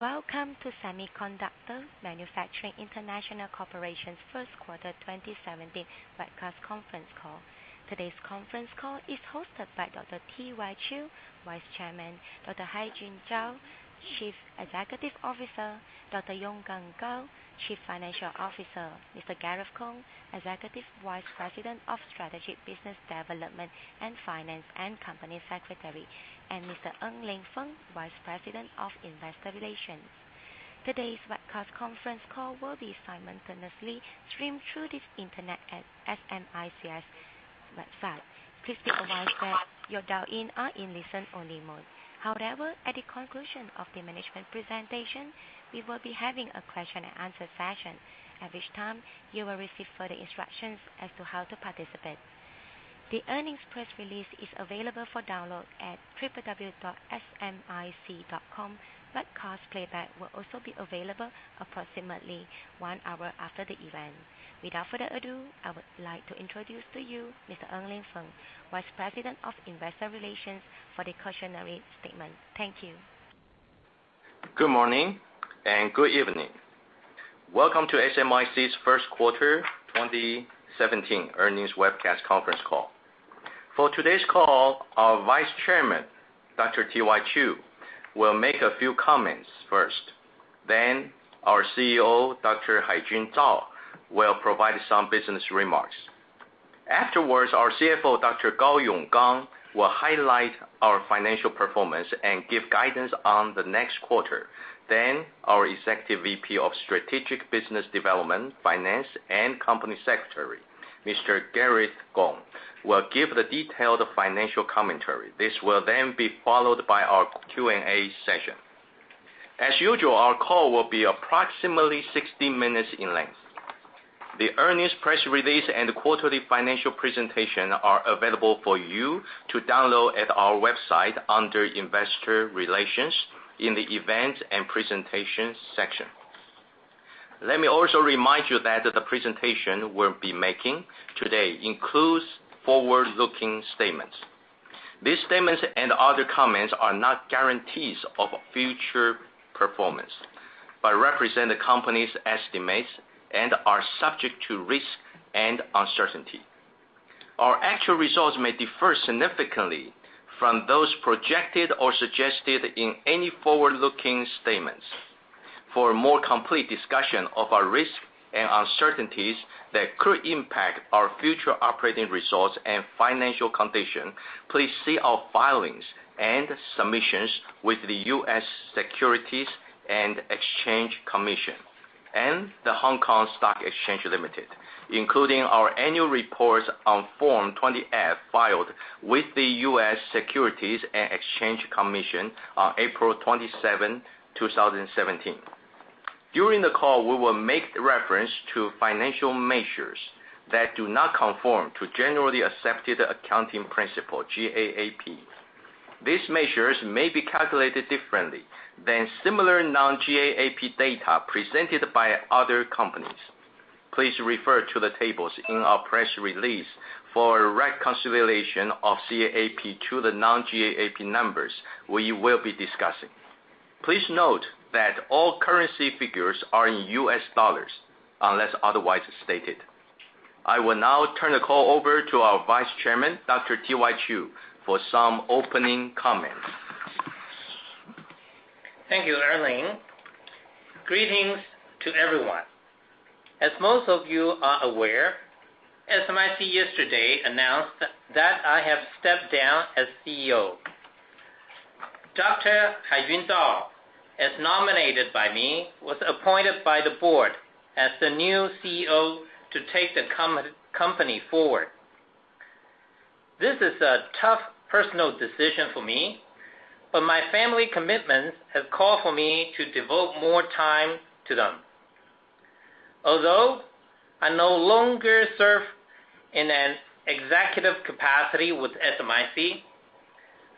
Welcome to Semiconductor Manufacturing International Corporation's first quarter 2017 webcast conference call. Today's conference call is hosted by Dr. Tzu-Yin Chiu, Vice Chairman. Dr. Zhao Haijun, Chief Executive Officer. Dr. Gao Yonggang, Chief Financial Officer. Mr. Gareth Kung, Executive Vice President of Strategic Business Development and Finance and Company Secretary. Mr. En-Ling Feng, Vice President of Investor Relations. Today's webcast conference call will be simultaneously streamed through the internet at smic.com. Please be advised that your dial-in are in listen-only mode. At the conclusion of the management presentation, we will be having a question and answer session, at which time you will receive further instructions as to how to participate. The earnings press release is available for download at www.smic.com. Webcast playback will also be available approximately one hour after the event. Without further ado, I would like to introduce to you Mr. En-Ling Feng, Vice President of Investor Relations, for the cautionary statement. Thank you. Good morning and good evening. Welcome to SMIC's first quarter 2017 earnings webcast conference call. For today's call, our Vice Chairman, Dr. T.Y. Chiu, will make a few comments first. Our CEO, Dr. Haijun Zhao, will provide some business remarks. Our CFO, Dr. Gao Yonggang, will highlight our financial performance and give guidance on the next quarter. Our Executive VP of Strategic Business Development, Finance, and Company Secretary, Mr. Gareth Kung, will give the detailed financial commentary. This will then be followed by our Q&A session. As usual, our call will be approximately 60 minutes in length. The earnings press release and quarterly financial presentation are available for you to download at our website under Investor Relations in the Events and Presentations section. Let me also remind you that the presentation we'll be making today includes forward-looking statements. These statements and other comments are not guarantees of future performance, but represent the company's estimates and are subject to risk and uncertainty. Our actual results may differ significantly from those projected or suggested in any forward-looking statements. For a more complete discussion of our risks and uncertainties that could impact our future operating results and financial condition, please see our filings and submissions with the U.S. Securities and Exchange Commission and The Stock Exchange of Hong Kong Limited, including our annual reports on Form 20-F filed with the U.S. Securities and Exchange Commission on April 27, 2017. During the call, we will make reference to financial measures that do not conform to generally accepted accounting principles, GAAP. These measures may be calculated differently than similar non-GAAP data presented by other companies. Please refer to the tables in our press release for a reconciliation of GAAP to the non-GAAP numbers we will be discussing. Please note that all currency figures are in US dollars unless otherwise stated. I will now turn the call over to our Vice Chairman, Dr. T.Y. Chiu, for some opening comments. Thank you, En-Ling. Greetings to everyone. As most of you are aware, SMIC yesterday announced that I have stepped down as CEO. Dr. Haijun Zhao, as nominated by me, was appointed by the board as the new CEO to take the company forward. This is a tough personal decision for me, but my family commitments have called for me to devote more time to them. Although I no longer serve in an executive capacity with SMIC,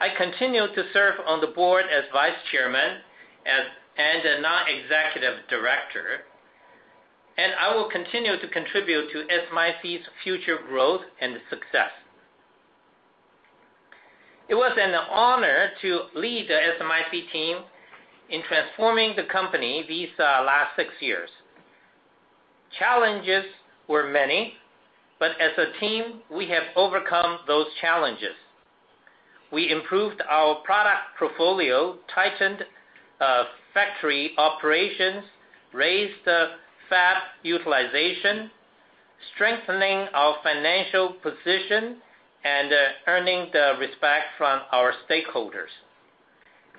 I continue to serve on the board as Vice Chairman and a non-executive director. I will continue to contribute to SMIC's future growth and success. It was an honor to lead the SMIC team in transforming the company these last six years. Challenges were many. As a team, we have overcome those challenges. We improved our product portfolio, tightened factory operations, raised the fab utilization, strengthening our financial position, earning the respect from our stakeholders.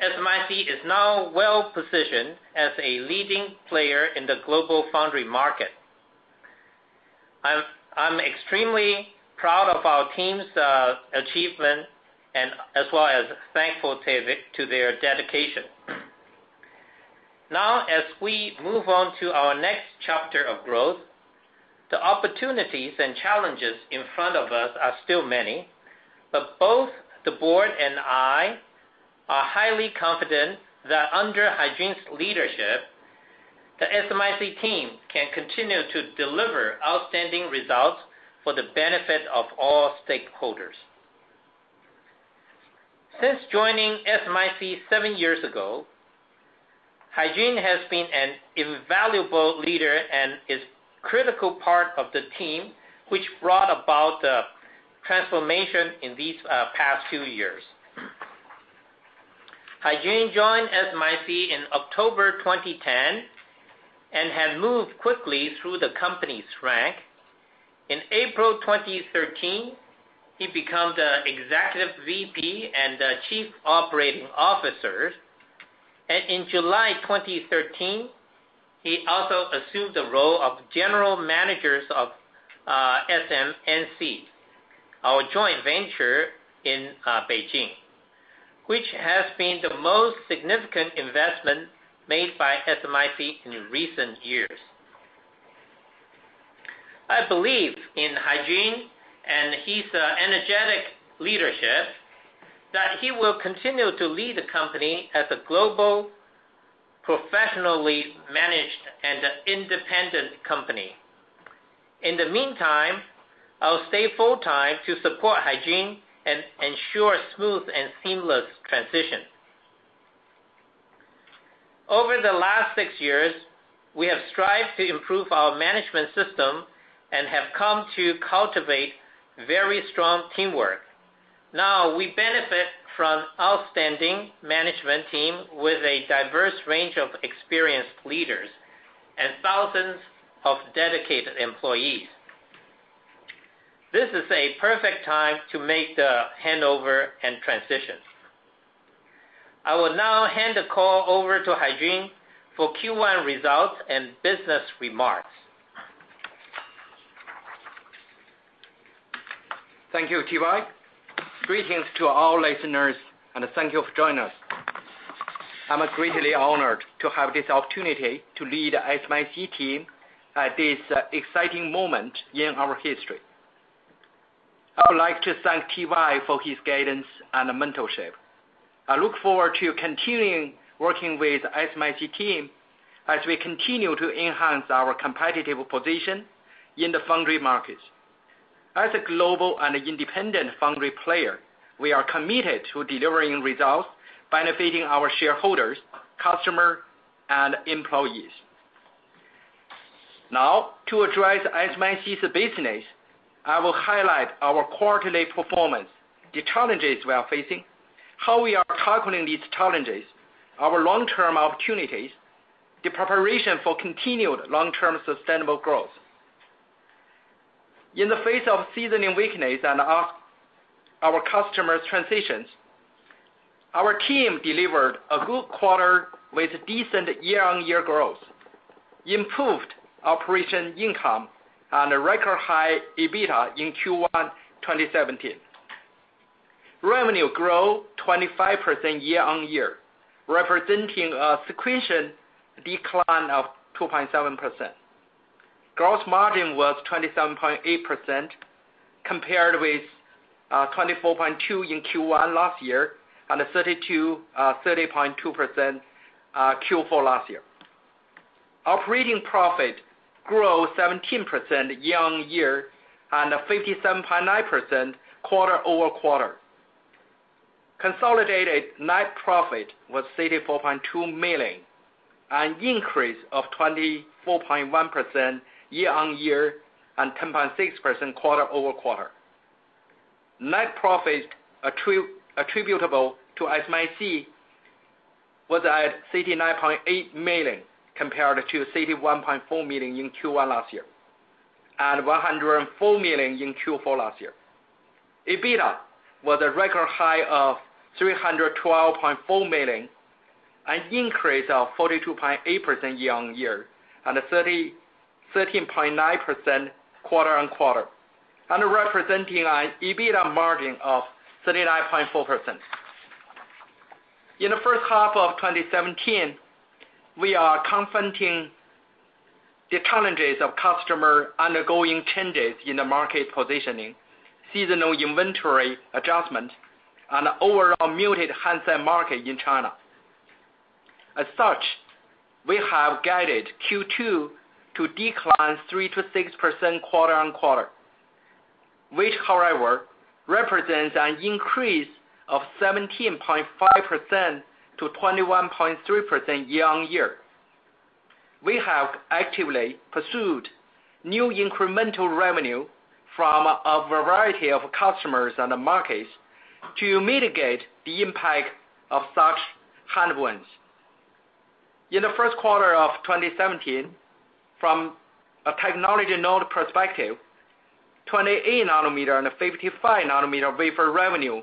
SMIC is now well-positioned as a leading player in the global foundry market. I'm extremely proud of our team's achievement as well as thankful to their dedication. As we move on to our next chapter of growth, the opportunities and challenges in front of us are still many. Both the board and I are highly confident that under Haijun's leadership, the SMIC team can continue to deliver outstanding results for the benefit of all stakeholders. Since joining SMIC seven years ago, Haijun has been an invaluable leader and is critical part of the team, which brought about the transformation in these past few years. Haijun joined SMIC in October 2010 and has moved quickly through the company's rank. In April 2013, he become the Executive VP and the Chief Operating Officer. In July 2013, he also assumed the role of general managers of SMNC, our joint venture in Beijing, which has been the most significant investment made by SMIC in recent years. I believe in Haijun, his energetic leadership, that he will continue to lead the company as a global, professionally managed, and independent company. In the meantime, I'll stay full-time to support Haijun and ensure smooth and seamless transition. Over the last six years, we have strived to improve our management system and have come to cultivate very strong teamwork. We benefit from outstanding management team with a diverse range of experienced leaders and thousands of dedicated employees. This is a perfect time to make the handover and transition. I will now hand the call over to Haijun for Q1 results and business remarks. Thank you, T. Y. Greetings to all listeners, and thank you for joining us. I'm greatly honored to have this opportunity to lead SMIC team at this exciting moment in our history. I would like to thank T. Y. for his guidance and mentorship. I look forward to continuing working with SMIC team as we continue to enhance our competitive position in the foundry market. As a global and independent foundry player, we are committed to delivering results benefiting our shareholders, customer, and employees. Now, to address SMIC's business, I will highlight our quarterly performance, the challenges we are facing, how we are tackling these challenges, our long-term opportunities, the preparation for continued long-term sustainable growth. In the face of seasonal weakness and our customers' transitions, our team delivered a good quarter with decent year-on-year growth, improved operating income, and a record high EBITDA in Q1 2017. Revenue grew 25% year-on-year, representing a sequential decline of 2.7%. Gross margin was 27.8% compared with 24.2% in Q1 last year and 30.2% Q4 last year. Operating profit grew 17% year-on-year and 57.9% quarter-over-quarter. Consolidated net profit was $34.2 million, an increase of 24.1% year-on-year and 10.6% quarter-over-quarter. Net profit attributable to SMIC was at $39.8 million, compared to $31.4 million in Q1 last year, and $104 million in Q4 last year. EBITDA was a record high of $312.4 million, an increase of 42.8% year-on-year and 13.9% quarter-on-quarter, and representing an EBITDA margin of 39.4%. In the first half of 2017, we are confronting the challenges of customer undergoing changes in the market positioning, seasonal inventory adjustment, and overall muted handset market in China. As such, we have guided Q2 to decline 3%-6% quarter-on-quarter, which however, represents an increase of 17.5%-21.3% year-on-year. We have actively pursued new incremental revenue from a variety of customers and markets to mitigate the impact of such headwinds. In the first quarter of 2017, from a technology node perspective, 28 nanometer and 55 nanometer wafer revenue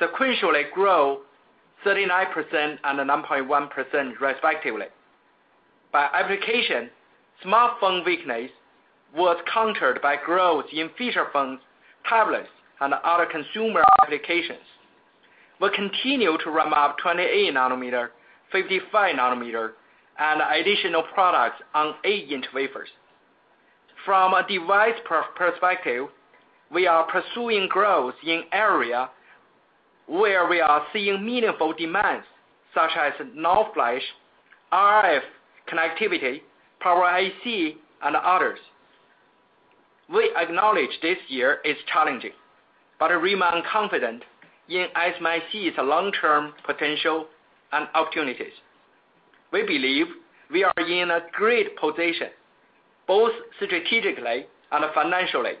sequentially grew 39% and 9.1% respectively. By application, smartphone weakness was countered by growth in feature phones, tablets, and other consumer applications. We continue to ramp up 28 nanometer, 55 nanometer, and additional products on 8-inch wafers. From a device perspective, we are pursuing growth in area where we are seeing meaningful demands, such as NOR flash, RF, connectivity, power IC, and others. We acknowledge this year is challenging, but remain confident in SMIC's long-term potential and opportunities. We believe we are in a great position, both strategically and financially,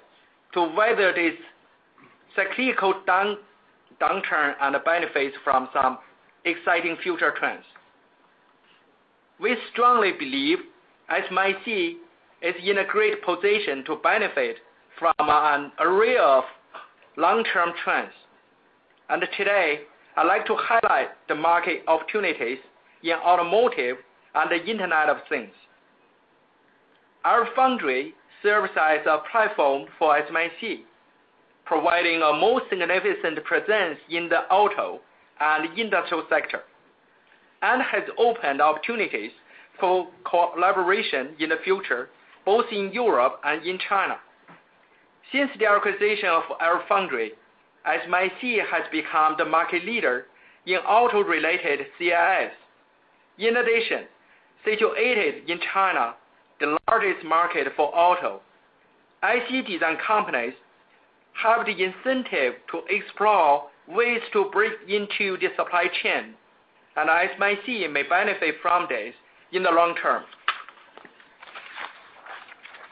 to weather this cyclical downturn and benefit from some exciting future trends. We strongly believe SMIC is in a great position to benefit from an array of long-term trends. Today, I'd like to highlight the market opportunities in automotive and the Internet of Things. LFoundry serves as a platform for SMIC, providing a more significant presence in the auto and industrial sector, and has opened opportunities for collaboration in the future, both in Europe and in China. Since the acquisition of our foundry, SMIC has become the market leader in auto-related CIS. In addition, situated in China, the largest market for auto, IC design companies have the incentive to explore ways to break into the supply chain, and SMIC may benefit from this in the long term.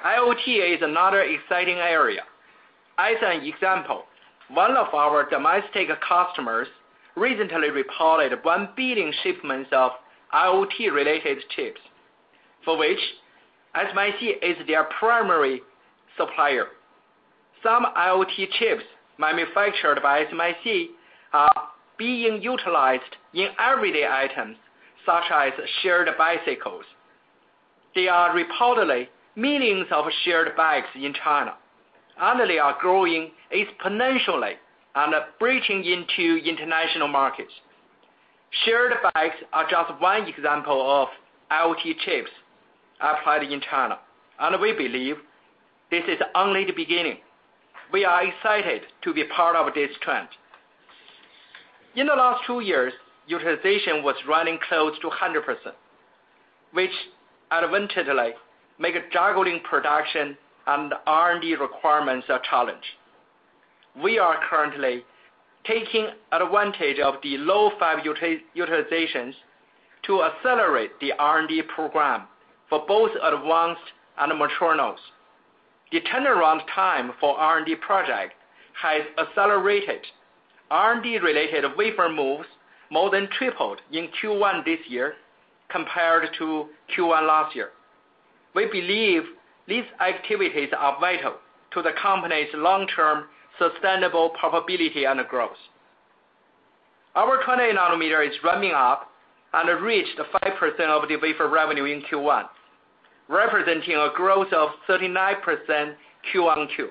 IoT is another exciting area. As an example, one of our domestic customers recently reported 1 billion shipments of IoT-related chips, for which SMIC is their primary supplier. Some IoT chips manufactured by SMIC are being utilized in everyday items, such as shared bicycles. There are reportedly millions of shared bikes in China, and they are growing exponentially and are breaking into international markets. Shared bikes are just one example of IoT chips applied in China, and we believe this is only the beginning. We are excited to be part of this trend. In the last two years, utilization was running close to 100%, which eventually make juggling production and R&D requirements a challenge. We are currently taking advantage of the low fab utilizations to accelerate the R&D program for both advanced and mature nodes. The turnaround time for R&D project has accelerated. R&D-related wafer moves more than tripled in Q1 this year compared to Q1 last year. We believe these activities are vital to the company's long-term sustainable profitability and growth. Our 28 nanometer is ramping up and reached 5% of the wafer revenue in Q1, representing a growth of 39% Q1 to Q2.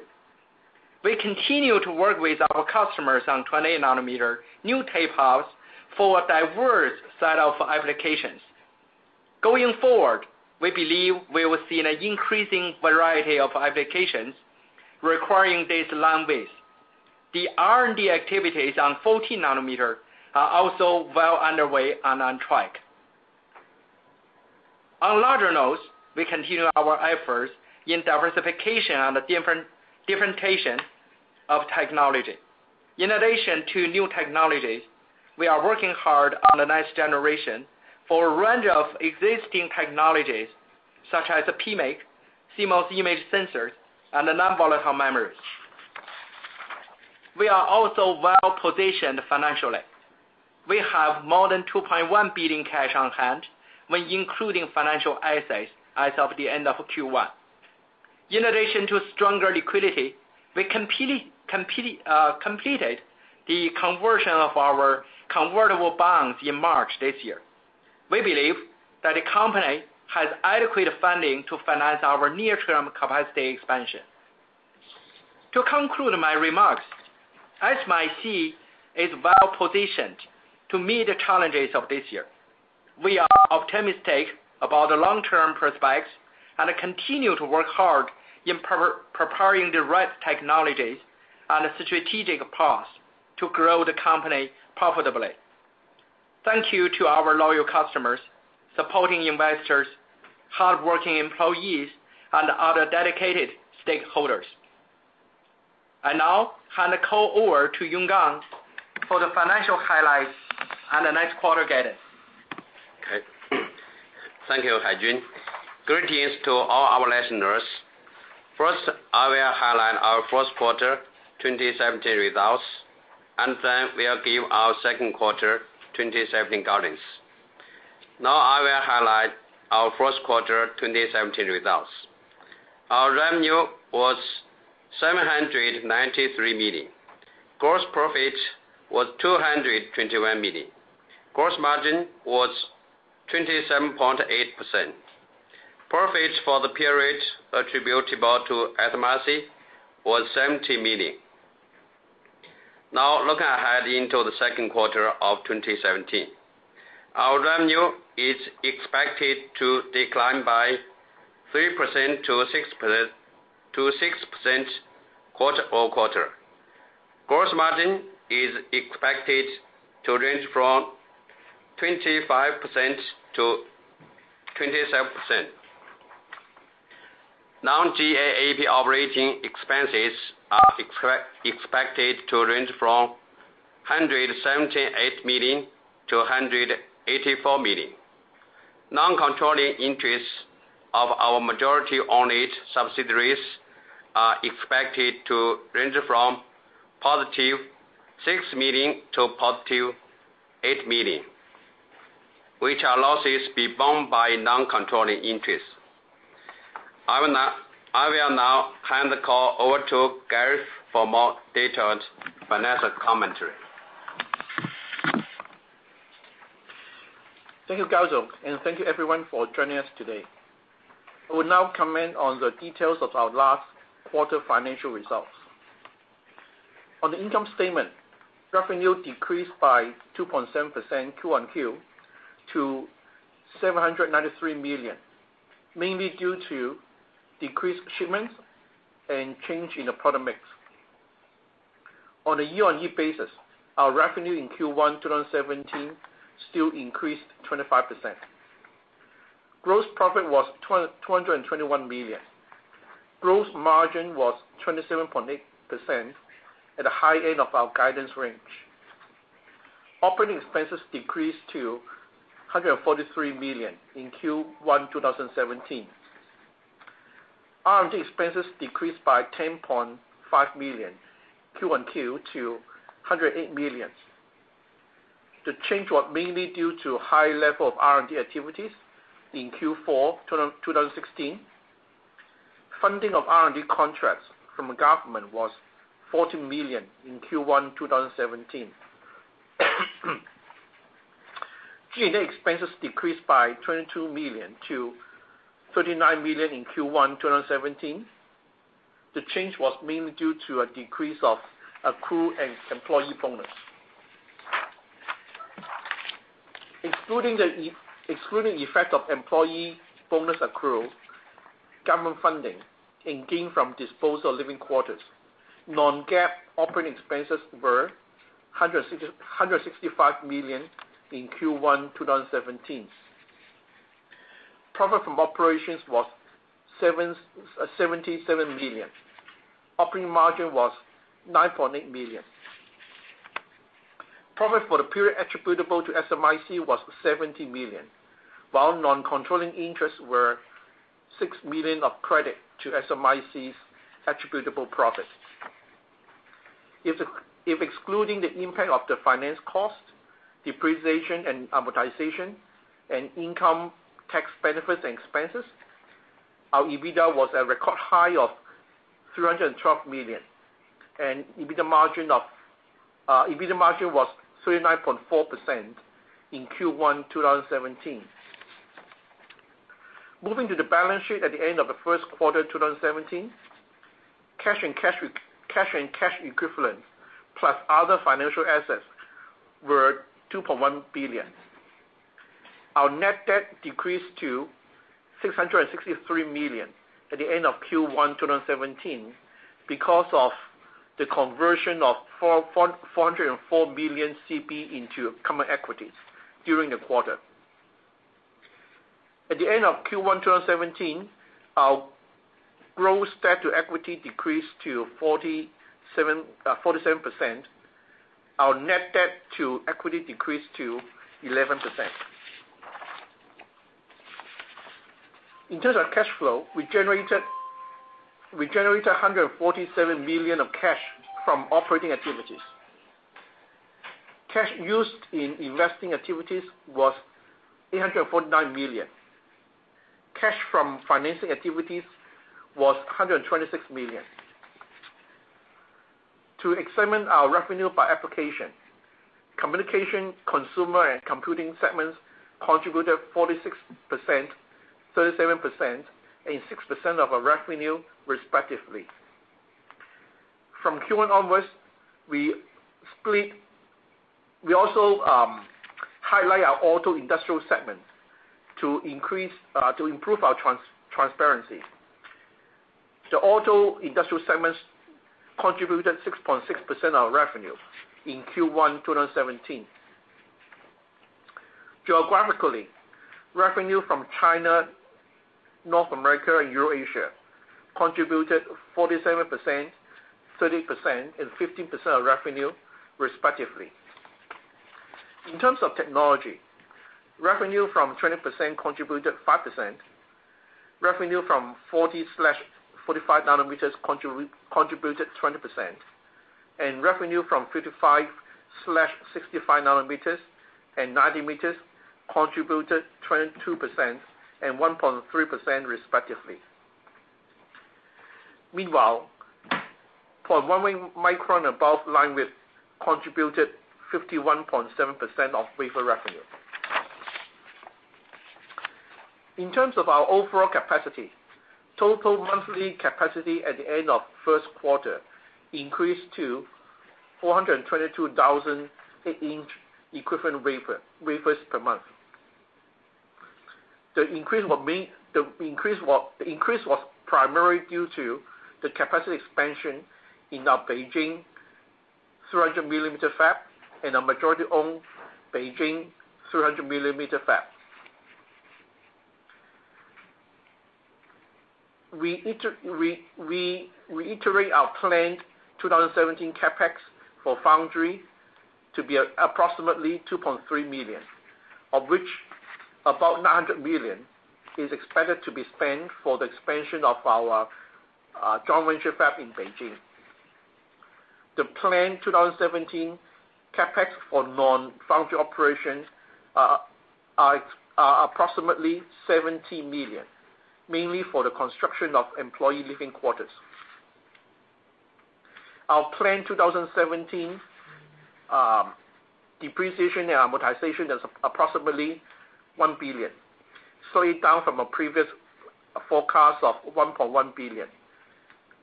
We continue to work with our customers on 28 nanometer new tape-outs for a diverse set of applications. Going forward, we believe we will see an increasing variety of applications requiring this line width. The R&D activities on 14 nanometer are also well underway and on track. On larger nodes, we continue our efforts in diversification and differentiation of technology. In addition to new technologies, we are working hard on the next generation for a range of existing technologies such as PMIC, CMOS image sensors, and the non-volatile memories. We are also well-positioned financially. We have more than $2.1 billion cash on hand when including financial assets as of the end of Q1. In addition to stronger liquidity, we completed the conversion of our convertible bonds in March this year. We believe that the company has adequate funding to finance our near-term capacity expansion. To conclude my remarks, SMIC is well-positioned to meet the challenges of this year. We are optimistic about the long-term prospects and continue to work hard in preparing the right technologies and strategic paths to grow the company profitably. Thank you to our loyal customers, supporting investors, hardworking employees, and other dedicated stakeholders. I now hand the call over to Yonggang for the financial highlights and the next quarter guidance. Okay. Thank you, Haijun. Greetings to all our listeners. First, I will highlight our first quarter 2017 results, and then we'll give our second quarter 2017 guidance. Now I will highlight our first quarter 2017 results. Our revenue was $793 million. Gross profit was $221 million. Gross margin was 27.8%. Profit for the period attributable to SMIC was $70 million. Now, looking ahead into the second quarter of 2017. Our revenue is expected to decline by 3%-6% quarter-over-quarter. Gross margin is expected to range from 25%-27%. Non-GAAP operating expenses are expected to range from $178 million-$184 million. Non-controlling interests of our majority-owned subsidiaries are expected to range from positive $6 million to positive $8 million, which are losses bound by non-controlling interests. I will now hand the call over to Gareth for more detailed financial commentary. Thank you, Gao, thank you everyone for joining us today. I will now comment on the details of our last quarter financial results. On the income statement, revenue decreased by 2.7% QoQ to $793 million, mainly due to decreased shipments and change in the product mix. On a year-on-year basis, our revenue in Q1 2017 still increased 25%. Gross profit was $221 million. Gross margin was 27.8% at the high end of our guidance range. Operating expenses decreased to $143 million in Q1 2017. R&D expenses decreased by $10.5 million QoQ to $108 million. The change was mainly due to high level of R&D activities in Q4 2016. Funding of R&D contracts from the government was $14 million in Q1 2017. G&A expenses decreased by $22 million to $39 million in Q1 2017. The change was mainly due to a decrease of accrued employee bonus. Excluding the effect of employee bonus accrual, government funding, and gain from disposal of living quarters, non-GAAP operating expenses were $165 million in Q1 2017. Profit from operations was $77 million. Operating margin was $9.8 million. Profit for the period attributable to SMIC was $70 million, while non-controlling interests were $6 million of credit to SMIC's attributable profit. If excluding the impact of the finance cost, depreciation and amortization, and income tax benefits and expenses, our EBITDA was a record high of $312 million, and EBITDA margin was 39.4% in Q1 2017. Moving to the balance sheet at the end of the first quarter 2017, cash and cash equivalents, plus other financial assets, were $2.1 billion. Our net debt decreased to $663 million at the end of Q1 2017 because of the conversion of $404 million CB into common equities during the quarter. At the end of Q1 2017, our gross debt to equity decreased to 47%. Our net debt to equity decreased to 11%. In terms of cash flow, we generated $147 million of cash from operating activities. Cash used in investing activities was $849 million. Cash from financing activities was $126 million. To examine our revenue by application, communication, consumer, and computing segments contributed 46%, 37%, and 6% of our revenue respectively. From Q1 onwards, we also highlight our auto industrial segment to improve our transparency. The auto industrial segments contributed 6.6% of revenue in Q1 2017. Geographically, revenue from China, North America, and Eurasia contributed 47%, 30%, and 15% of revenue respectively. In terms of technology, revenue from 20% contributed 5%, revenue from 40/45 nanometers contributed 20%, and revenue from 55/65 nanometers and 90 nanometers contributed 22% and 1.3% respectively. Meanwhile, 0.11 micron above line-width contributed 51.7% of wafer revenue. In terms of our overall capacity, total monthly capacity at the end of the first quarter increased to 422,000 8-inch equivalent wafers per month. The increase was primarily due to the capacity expansion in our Beijing 300 millimeter fab and our majority-owned Beijing 300 millimeter fab. We reiterate our planned 2017 CapEx for foundry to be approximately $2.3 billion, of which about $900 million is expected to be spent for the expansion of our joint venture fab in Beijing. The planned 2017 CapEx for non-foundry operations are approximately $17 million, mainly for the construction of employee living quarters. Our planned 2017 depreciation and amortization is approximately $1 billion, slightly down from a previous forecast of $1.1 billion,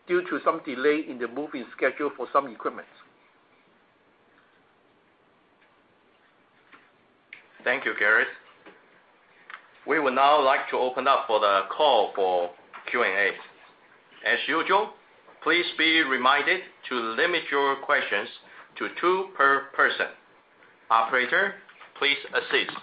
due to some delay in the moving schedule for some equipment. Thank you, Gareth. We would now like to open up for the call for Q&A. As usual, please be reminded to limit your questions to two per person. Operator, please assist.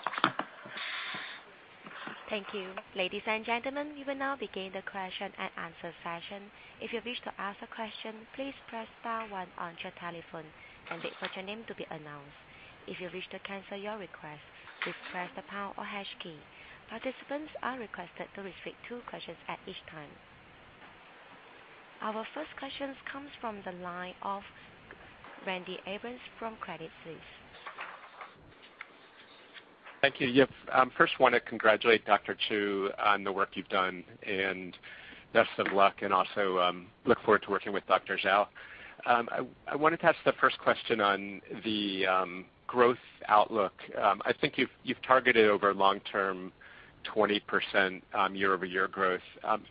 Thank you. Ladies and gentlemen, we will now begin the question and answer session. If you wish to ask a question, please press star one on your telephone and wait for your name to be announced. If you wish to cancel your request, just press the pound or hash key. Participants are requested to restrict two questions at each time. Our first question comes from the line of Randy Abrams from Credit Suisse. Thank you. Yep. First want to congratulate Dr. Chiu on the work you've done, best of luck, also look forward to working with Dr. Zhao. I wanted to ask the first question on the growth outlook. I think you've targeted over long-term 20% year-over-year growth.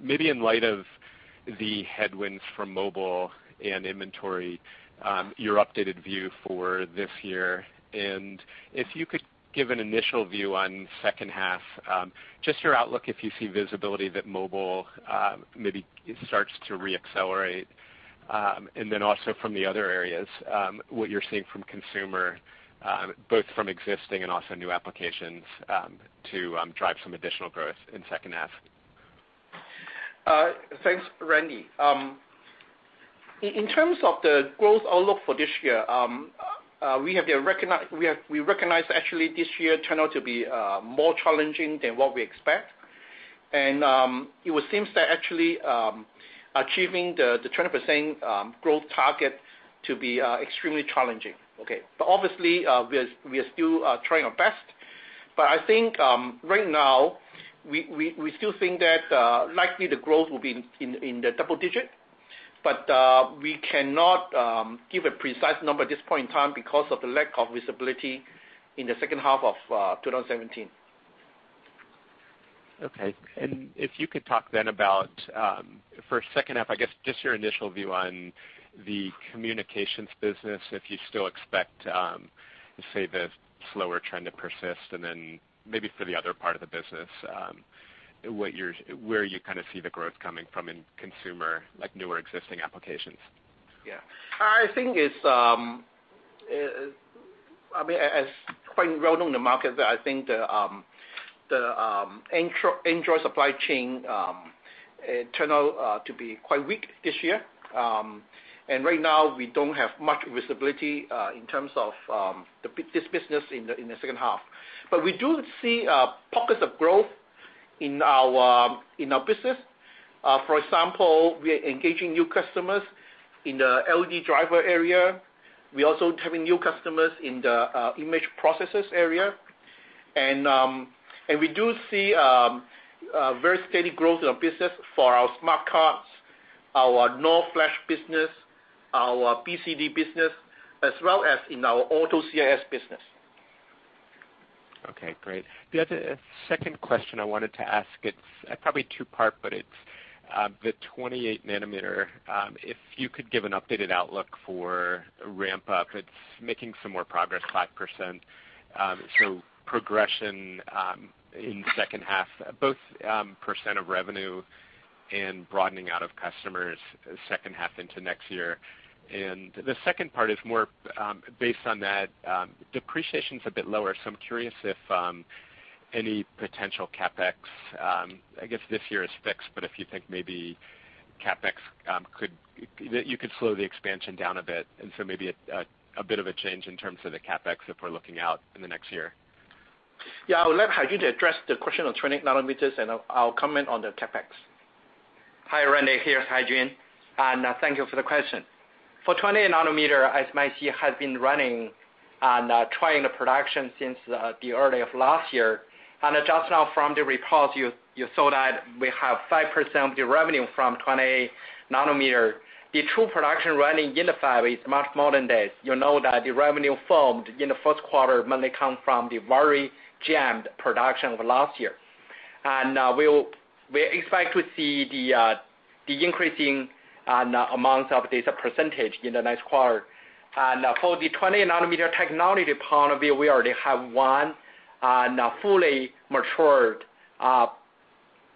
Maybe in light of the headwinds from mobile and inventory, your updated view for this year. If you could give an initial view on second half, just your outlook, if you see visibility that mobile maybe starts to re-accelerate. Then also from the other areas, what you're seeing from consumer, both from existing and also new applications, to drive some additional growth in second half. Thanks, Randy. In terms of the growth outlook for this year, we recognize actually this year turned out to be more challenging than what we expect. It would seem that actually achieving the 20% growth target to be extremely challenging. Okay. Obviously, we are still trying our best. I think right now, we still think that likely the growth will be in the double digit, but we cannot give a precise number at this point in time because of the lack of visibility in the second half of 2017. If you could talk about, for second half, I guess, just your initial view on the communications business, if you still expect, say, the slower trend to persist. Maybe for the other part of the business, where you kind of see the growth coming from in consumer, like newer existing applications. Yeah. I think it's quite well-known in the market that I think the Android supply chain turned out to be quite weak this year. Right now we don't have much visibility in terms of this business in the second half. We do see pockets of growth in our business. For example, we are engaging new customers in the LED driver area. We're also having new customers in the image processor area. We do see very steady growth in our business for our smart cards, our NOR flash business, our BCD business, as well as in our auto CIS business. Okay, great. The other second question I wanted to ask, it's probably two-part, but it's the 28 nanometer. If you could give an updated outlook for ramp up. It's making some more progress, 5%. Progression in the second half, both % of revenue and broadening out of customers second half into next year. The second part is more based on that. Depreciation is a bit lower, I'm curious if any potential CapEx, I guess this year is fixed, but if you think maybe CapEx could slow the expansion down a bit, maybe a bit of a change in terms of the CapEx if we're looking out in the next year. Yeah, I will let Haijun address the question on 28 nanometers, I'll comment on the CapEx. Hi, Randy. Here's Haijun, thank you for the question. For 28 nanometer, as you might see, has been running and trying the production since the early of last year. Just now from the reports, you saw that we have 5% of the revenue from 28 nanometer. The true production running in the fab is much more than this. You know that the revenue formed in the first quarter mainly come from the very jammed production of last year. We expect to see the The increasing amounts of data percentage in the next quarter. For the 28 nanometer technology point of view, we already have one fully matured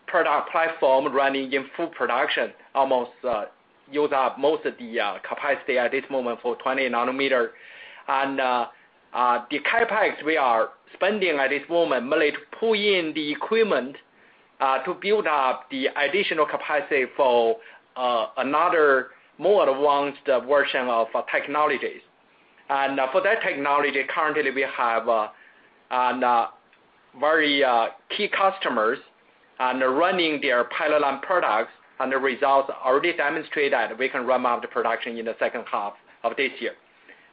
product platform running in full production, almost used up most of the capacity at this moment for 28 nanometer. The CapEx we are spending at this moment merely to pull in the equipment to build up the additional capacity for another more advanced version of technologies. For that technology, currently we have very key customers and running their pilot line products, and the results already demonstrate that we can ramp up the production in the second half of this year.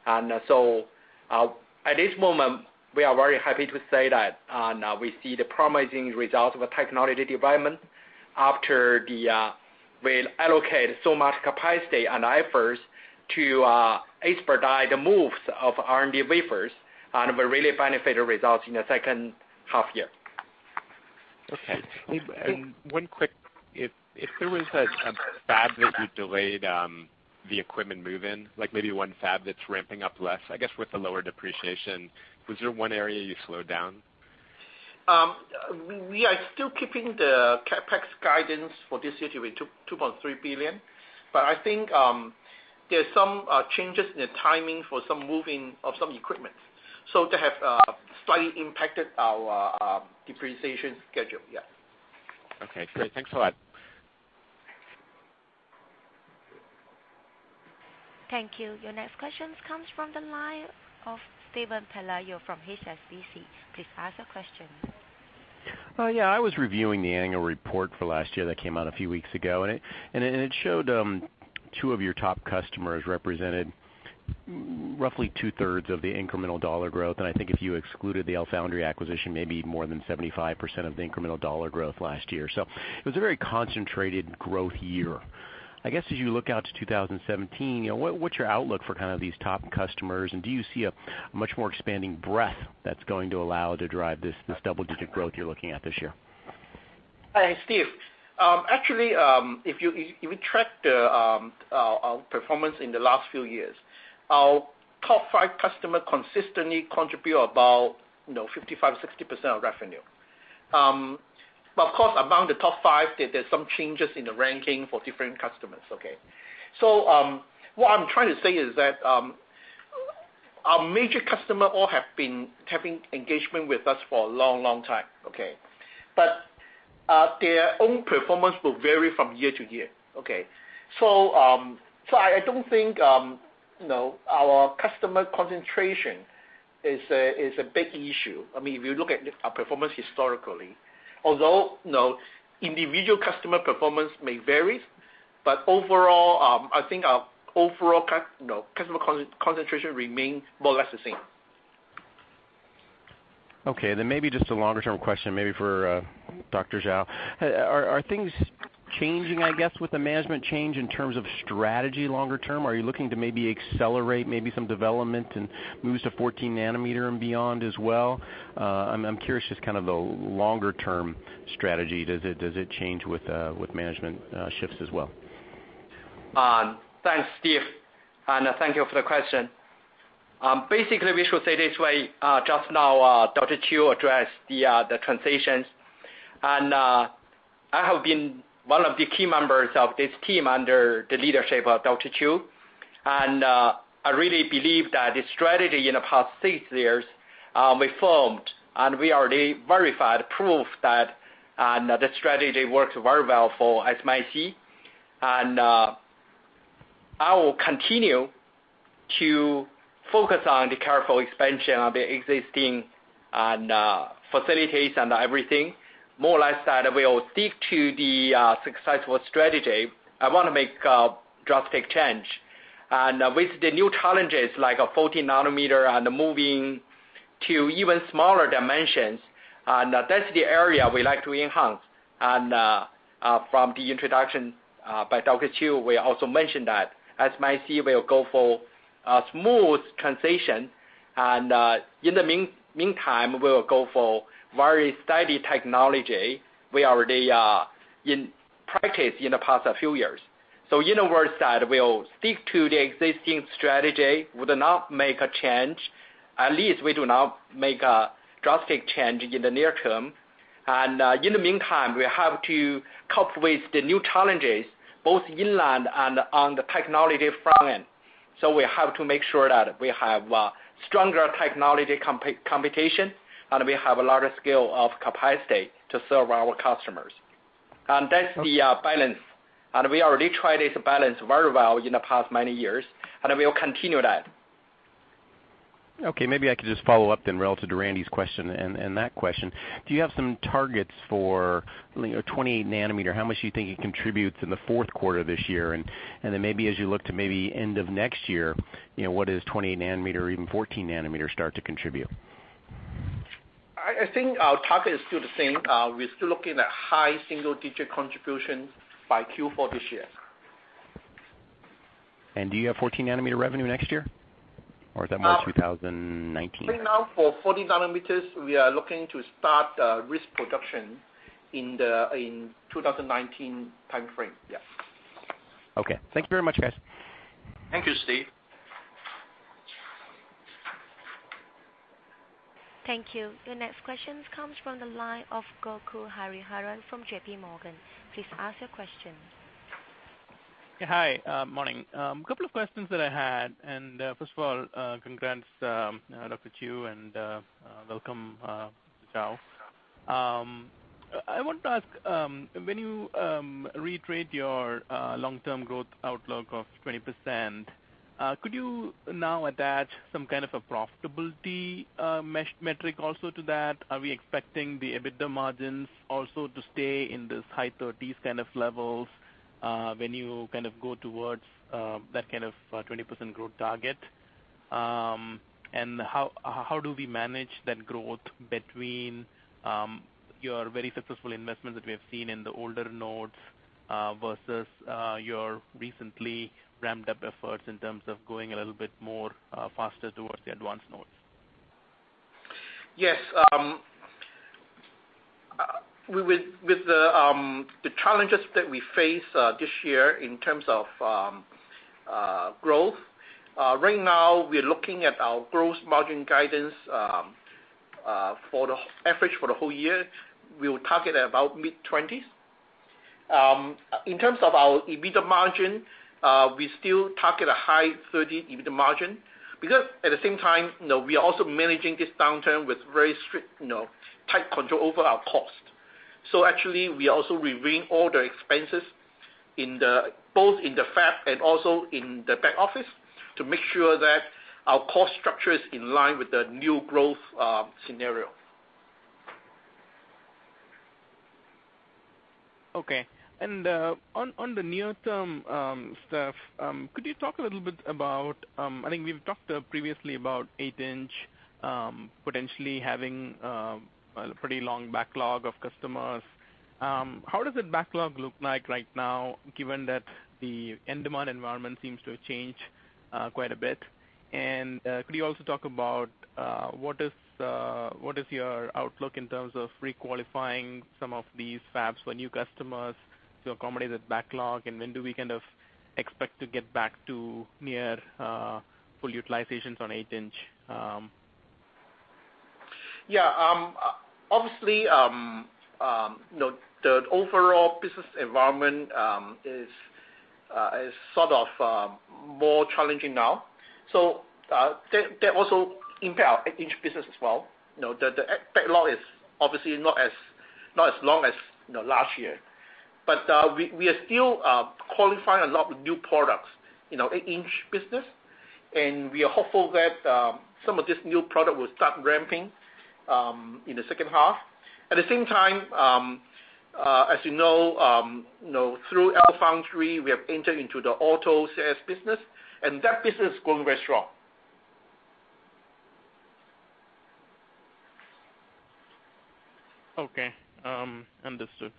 At this moment, we are very happy to say that we see the promising results of technology development after we allocate so much capacity and efforts to expedite the moves of R&D wafers, and will really benefit the results in the second half year. Okay. One quick, if there was a fab that you delayed the equipment move-in, like maybe one fab that's ramping up less, I guess with the lower depreciation, was there one area you slowed down? We are still keeping the CapEx guidance for this year to be $2.3 billion. I think there's some changes in the timing for some moving of some equipment. They have slightly impacted our depreciation schedule, yeah. Okay, great. Thanks a lot. Thank you. Your next question comes from the line of Steven Pelayo from HSBC. Please ask your question. Yeah. I was reviewing the annual report for last year that came out a few weeks ago, it showed two of your top customers represented roughly two-thirds of the incremental dollar growth. I think if you excluded the LFoundry acquisition, maybe more than 75% of the incremental dollar growth last year. It was a very concentrated growth year. I guess as you look out to 2017, what's your outlook for kind of these top customers, and do you see a much more expanding breadth that's going to allow to drive this double-digit growth you're looking at this year? Hi, Steve. Actually, if you track our performance in the last few years, our top 5 customer consistently contribute about 55%-60% of revenue. Of course, among the top 5, there's some changes in the ranking for different customers, okay? What I'm trying to say is that, our major customer all have been having engagement with us for a long, long time, okay? Their own performance will vary from year to year. Okay. I don't think our customer concentration is a big issue. If you look at our performance historically. Although individual customer performance may vary, but overall, I think our overall customer concentration remain more or less the same. Maybe just a longer-term question, maybe for Dr. Zhao. Are things changing, I guess, with the management change in terms of strategy longer-term? Are you looking to maybe accelerate maybe some development and move to 14 nanometer and beyond as well? I'm curious just kind of the longer-term strategy. Does it change with management shifts as well? Thanks, Steve, and thank you for the question. Basically, we should say this way, just now Dr. Chiu addressed the transitions. I have been one of the key members of this team under the leadership of Dr. Chiu. I really believe that the strategy in the past 6 years we formed, and we already verified proof that the strategy works very well for SMIC. I will continue to focus on the careful expansion of the existing facilities and everything. More or less that we will stick to the successful strategy. I don't want to make a drastic change. With the new challenges, like 14 nanometer and moving to even smaller dimensions, that's the area we like to enhance. From the introduction by Dr. Chiu, we also mentioned that SMIC will go for a smooth transition, and in the meantime, we will go for very steady technology. We already are in practice in the past few years. In a word that we'll stick to the existing strategy, would not make a change. At least we do not make a drastic change in the near term. In the meantime, we have to cope with the new challenges, both inland and on the technology front end. We have to make sure that we have stronger technology competition, and we have a larger scale of capacity to serve our customers. That's the balance. We already tried this balance very well in the past many years, and we will continue that. Okay, maybe I could just follow up relative to Randy's question and that question. Do you have some targets for 28 nanometer? How much do you think it contributes in the fourth quarter this year? Maybe as you look to maybe end of next year, what is 28 nanometer or even 14 nanometer start to contribute? I think our target is still the same. We're still looking at high single-digit contribution by Q4 this year. Do you have 14 nanometer revenue next year? Or is that more 2019? Right now, for 14 nanometers, we are looking to start risk production in 2019 timeframe. Yeah. Okay. Thank you very much, guys. Thank you, Steve. Thank you. Your next question comes from the line of Gokul Hariharan from J.P. Morgan. Please ask your question. Hi. Morning. A couple of questions that I had. First of all, congrats, Dr. Chiu, and welcome, Zhao. I want to ask, when you reiterate your long-term growth outlook of 20%, could you now attach some kind of a profitability metric also to that? Are we expecting the EBITDA margins also to stay in this high 30s kind of levels, when you kind of go towards that kind of 20% growth target? How do we manage that growth between your very successful investments that we have seen in the older nodes, versus your recently ramped-up efforts in terms of going a little bit more faster towards the advanced nodes? Yes. With the challenges that we face this year in terms of growth, right now we're looking at our growth margin guidance, for the average for the whole year, we will target at about mid-20s. In terms of our EBITDA margin, we still target a high 30 EBITDA margin, because at the same time, we are also managing this downturn with very strict, tight control over our cost. Actually, we are also reviewing all the expenses, both in the fab and also in the back office, to make sure that our cost structure is in line with the new growth scenario. Okay. On the near-term stuff, could you talk a little bit about, I think we've talked previously about 8-inch potentially having a pretty long backlog of customers. How does that backlog look like right now, given that the end demand environment seems to have changed quite a bit? Could you also talk about what is your outlook in terms of re-qualifying some of these fabs for new customers to accommodate that backlog, and when do we kind of expect to get back to near full utilizations on 8-inch? Yeah. Obviously, the overall business environment is sort of more challenging now. That also impact our 8-inch business as well. The backlog is obviously not as long as last year. We are still qualifying a lot of new products in our 8-inch business, and we are hopeful that some of this new product will start ramping in the second half. At the same time, as you know, through LFoundry, we have entered into the auto CIS business, and that business is going very strong. Okay. Understood.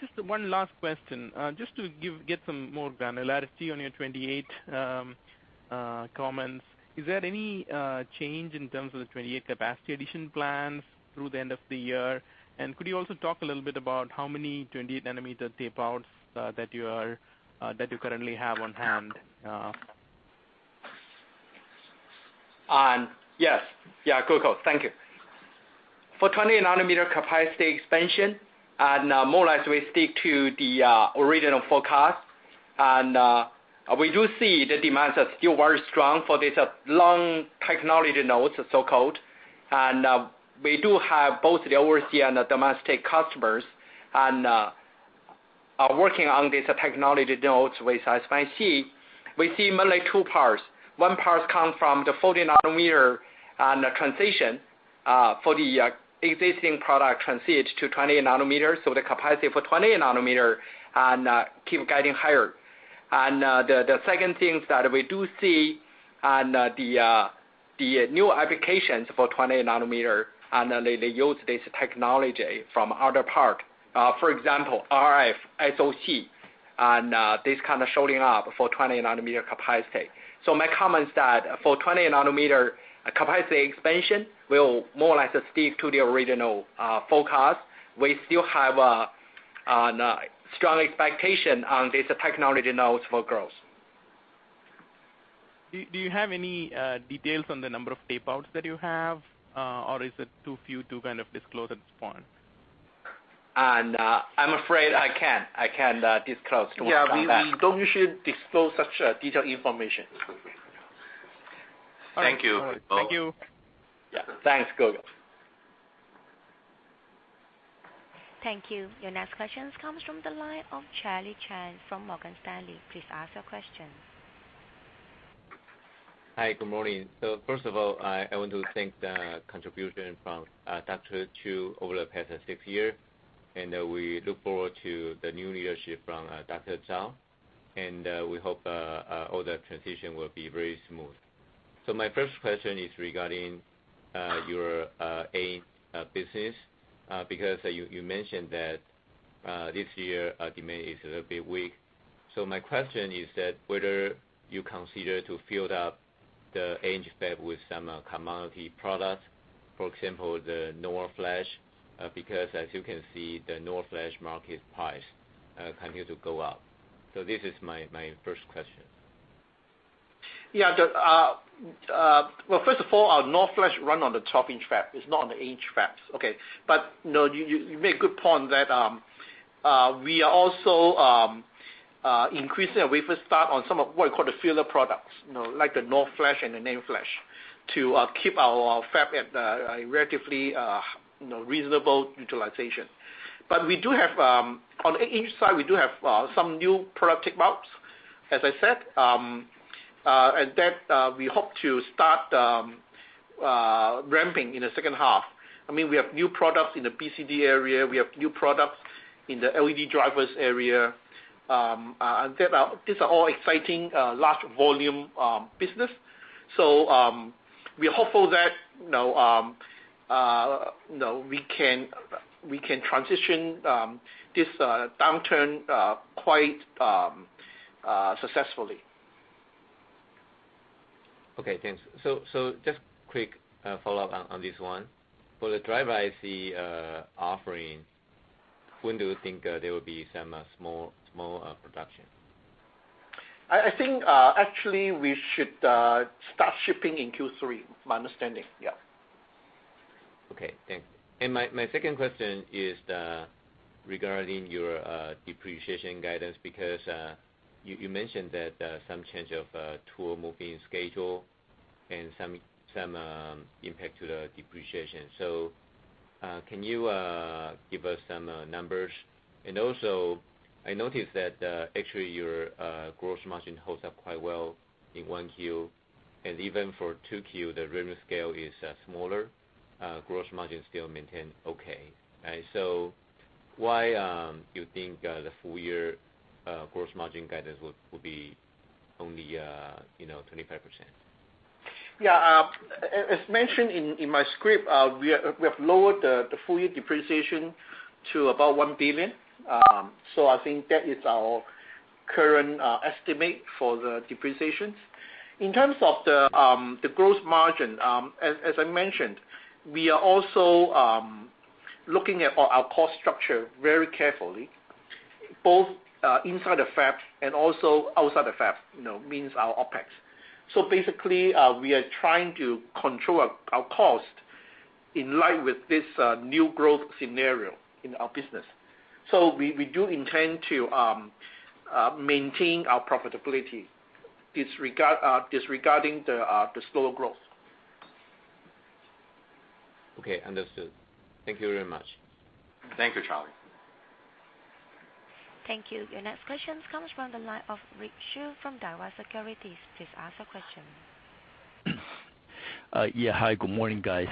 Just one last question, just to get some more granularity on your 28 comments. Is there any change in terms of the 28 capacity addition plans through the end of the year? Could you also talk a little bit about how many 28 nanometer tape outs that you currently have on hand? Yes. Yeah, Gokul. Thank you. For 28 nanometer capacity expansion, more or less we stick to the original forecast. We do see the demands are still very strong for these long technology nodes, so-called. We do have both the overseas and the domestic customers, and are working on these technology nodes with SMIC. We see mainly two parts. One part comes from the 40 nanometer and the transition for the existing product transit to 28 nanometers. The capacity for 28 nanometer keep getting higher. The second thing is that we do see on the new applications for 28 nanometer, they use this technology from other part. For example, RF, SOC, this kind of showing up for 28 nanometer capacity. My comment is that for 28 nanometer capacity expansion, we'll more or less stick to the original forecast. We still have a strong expectation on these technology nodes for growth. Do you have any details on the number of tape outs that you have? Is it too few to kind of disclose at this point? I'm afraid I can't disclose too much on that. Yeah. We don't usually disclose such detailed information. Okay. Thank you, Gokul. Thank you. Yeah. Thanks, Gokul. Thank you. Your next question comes from the line of Charlie Chan from Morgan Stanley. Please ask your question. Hi, good morning. First of all, I want to thank the contribution from Dr. Chiu over the past six years, and we look forward to the new leadership from Dr. Zhao, and we hope all the transition will be very smooth. My first question is regarding your main business, because you mentioned that this year, demand is a little bit weak. My question is that whether you consider to fill up the 8-inch fab with some commodity products, for example, the NOR flash, because as you can see, the NOR flash market price continue to go up. This is my first question. Well, first of all, our NOR flash run on the 12-inch fab, is not on the 8-inch fab. You make a good point that we are also increasing our wafer start on some of what we call the filler products. Like the NOR flash and the NAND flash, to keep our fab at a relatively reasonable utilization. On the 8-inch side, we do have some new product tape-outs, as I said, and that we hope to start ramping in the second half. We have new products in the BCD area. We have new products in the LED drivers area. These are all exciting, large volume business. We are hopeful that, we can transition this downturn quite successfully. Thanks. Just quick follow-up on this one. For the driver IC offering, when do you think there will be some small production? I think, actually, we should start shipping in Q3, my understanding. Okay, thanks. My second question is regarding your depreciation guidance, because you mentioned that some change of tool moving schedule and some impact to the depreciation. Can you give us some numbers? I noticed that actually your gross margin holds up quite well in 1Q, and even for 2Q, the revenue scale is smaller, gross margin still maintain okay. Why you think the full year gross margin guidance will be only 25%? Yeah. As mentioned in my script, we have lowered the full year depreciation to about $1 billion. I think that is our current estimate for the depreciations. In terms of the gross margin, as I mentioned, we are also looking at our cost structure very carefully, both inside the fab and also outside the fab, means our OpEx. We are trying to control our cost in line with this new growth scenario in our business. We do intend to maintain our profitability, disregarding the slower growth. Okay, understood. Thank you very much. Thank you, Charlie. Thank you. Your next question comes from the line of Rick Hsu from Daiwa Securities. Please ask your question. Yeah. Hi, good morning, guys.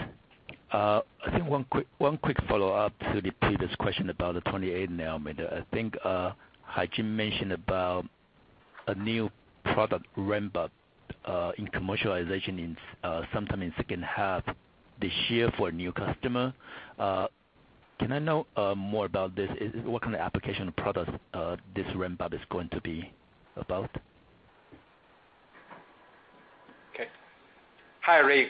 I think one quick follow-up to Peter's question about the 28 nanometer. I think Haijun mentioned about a new product ramp-up in commercialization sometime in second half this year for a new customer. Can I know more about this? What kind of application products this ramp-up is going to be about? Okay. Hi, Rick.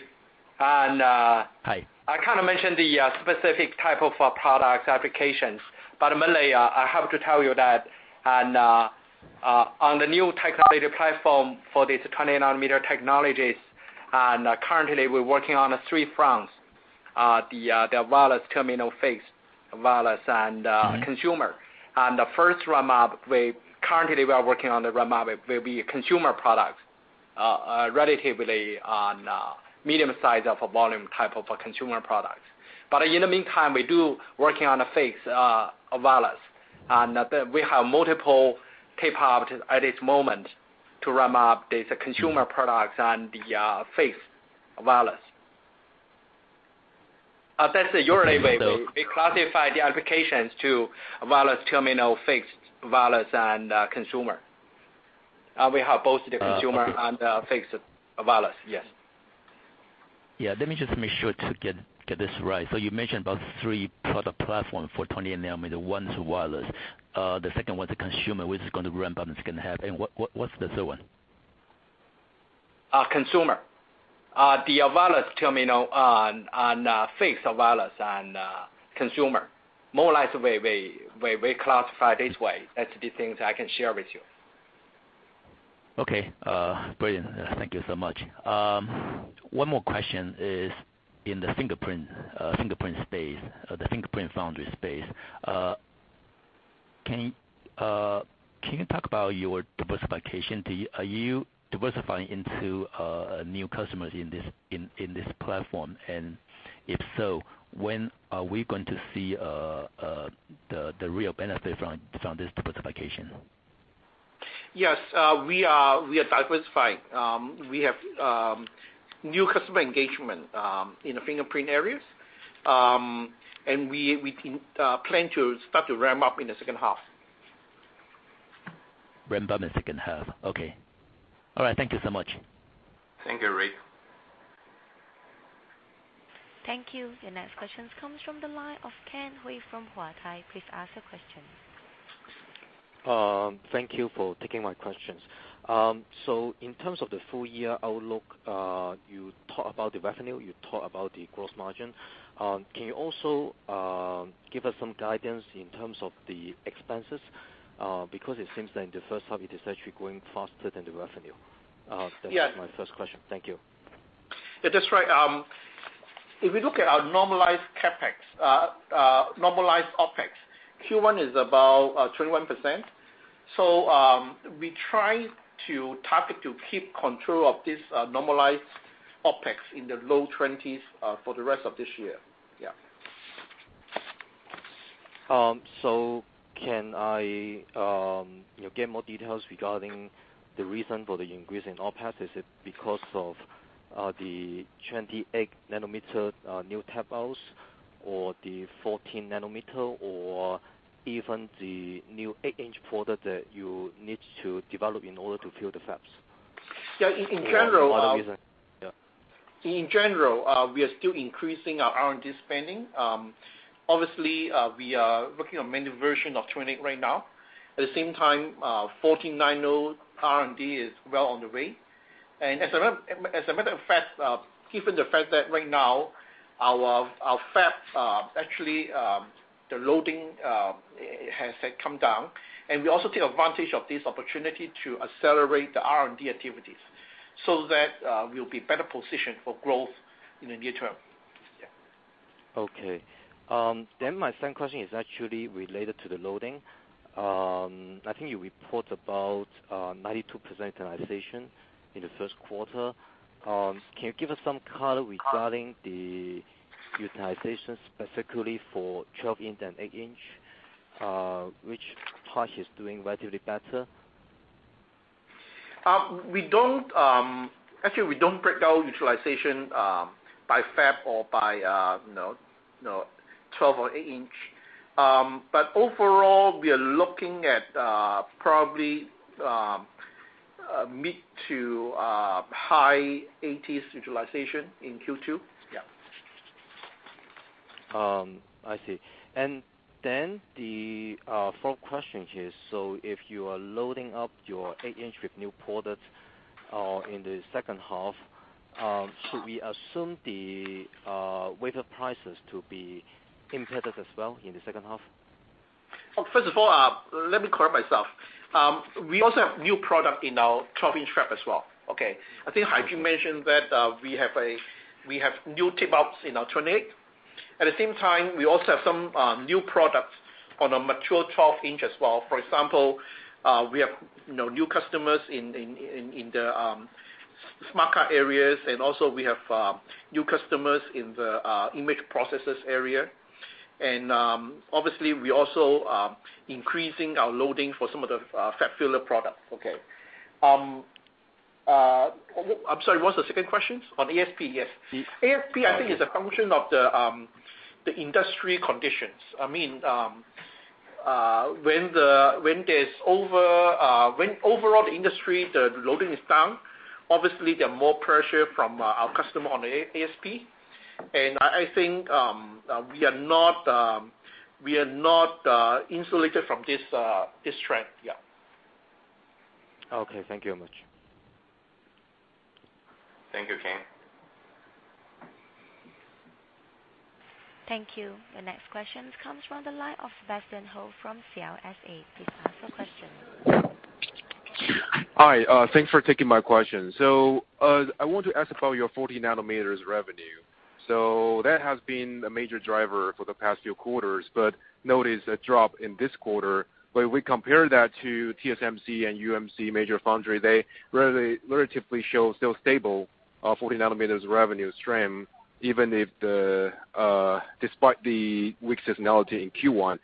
Hi. I can't mention the specific type of product applications, but mainly, I have to tell you that on the new technology platform for this 28 nanometer technologies. Currently we're working on three fronts, the wireless terminal, fixed wireless, and consumer. The first ramp-up, currently we are working on the ramp-up, will be a consumer product, relatively on medium size of a volume type of a consumer product. In the meantime, we do working on a fixed wireless, and we have multiple tape out at this moment to ramp up the consumer products and the fixed wireless. As I said, usually we classify the applications to wireless terminal, fixed wireless, and consumer. We have both the consumer and the fixed wireless, yes. Yeah. Let me just make sure to get this right. You mentioned about three product platform for 28 nanometer, one is wireless, the second one is a consumer, which is going to ramp up in the second half. What's the third one? Consumer. The wireless terminal and fixed wireless and consumer. More or less, we classify this way. That's the things I can share with you. Okay, brilliant. Thank you so much. One more question is in the fingerprint space, the fingerprint foundry space. Can you talk about your diversification? Are you diversifying into new customers in this platform, and if so, when are we going to see the real benefit from this diversification? Yes, we are diversifying. We have new customer engagement in the fingerprint areas. We plan to start to ramp up in the second half. Ramp up in second half. Okay. All right. Thank you so much. Thank you, Rick. Thank you. Your next question comes from the line of Ken Hui from Huatai. Please ask your question. Thank you for taking my questions. In terms of the full year outlook, you talked about the revenue, you talked about the gross margin. Can you also give us some guidance in terms of the expenses? It seems that in the first half, it is actually growing faster than the revenue. Yes. That's my first question. Thank you. That's right. If we look at our normalized OpEx, Q1 is about 21%. We try to target to keep control of this normalized OpEx in the low 20s for the rest of this year. Yeah. Can I get more details regarding the reason for the increase in OpEx? Is it because of the 28 nanometer new tape outs, or the 14 nanometer, or even the new 8-inch product that you need to develop in order to fill the fabs? In general. Some other reason. Yeah. In general, we are still increasing our R&D spending. Obviously, we are working on many version of 28 right now. At the same time, 14 nano R&D is well on the way. As a matter of fact, given the fact that right now our fab, actually, the loading has come down, we also take advantage of this opportunity to accelerate the R&D activities so that we'll be better positioned for growth in the near term. Yeah. Okay. My second question is actually related to the loading. I think you report about 92% utilization in the first quarter. Can you give us some color regarding the utilization specifically for 12 inch and 8 inch? Which part is doing relatively better? Actually, we don't break down utilization by fab or by 12 or 8 inch. Overall, we are looking at probably mid to high 80s utilization in Q2. Yeah. I see. The fourth question is, if you are loading up your 8-inch with new products in the second half, should we assume the wafer prices to be impacted as well in the second half? First of all, let me correct myself. We also have new product in our 12-inch fab as well, okay? I think Haijun mentioned that we have new tape outs in our 28. At the same time, we also have some new products on our mature 12-inch as well. For example, we have new customers in the smarter areas, also we have new customers in the image processes area. Obviously, we also increasing our loading for some of the fab filler products. Okay. I'm sorry, what's the second question? On ASP, yes. Yes. ASP, I think is a function of the industry conditions. When overall industry, the loading is down, obviously, there are more pressure from our customer on ASP, I think we are not insulated from this trend. Yeah. Okay. Thank you very much. Thank you, Ken. Thank you. The next question comes from the line of Benson Ho from CLSA. Please ask your question. Hi. Thanks for taking my question. I want to ask about your 14 nanometers revenue. That has been a major driver for the past few quarters, but notice a drop in this quarter. But we compare that to TSMC and UMC, major foundry, they relatively show still stable 14 nanometers revenue stream, despite the weak seasonality in Q1.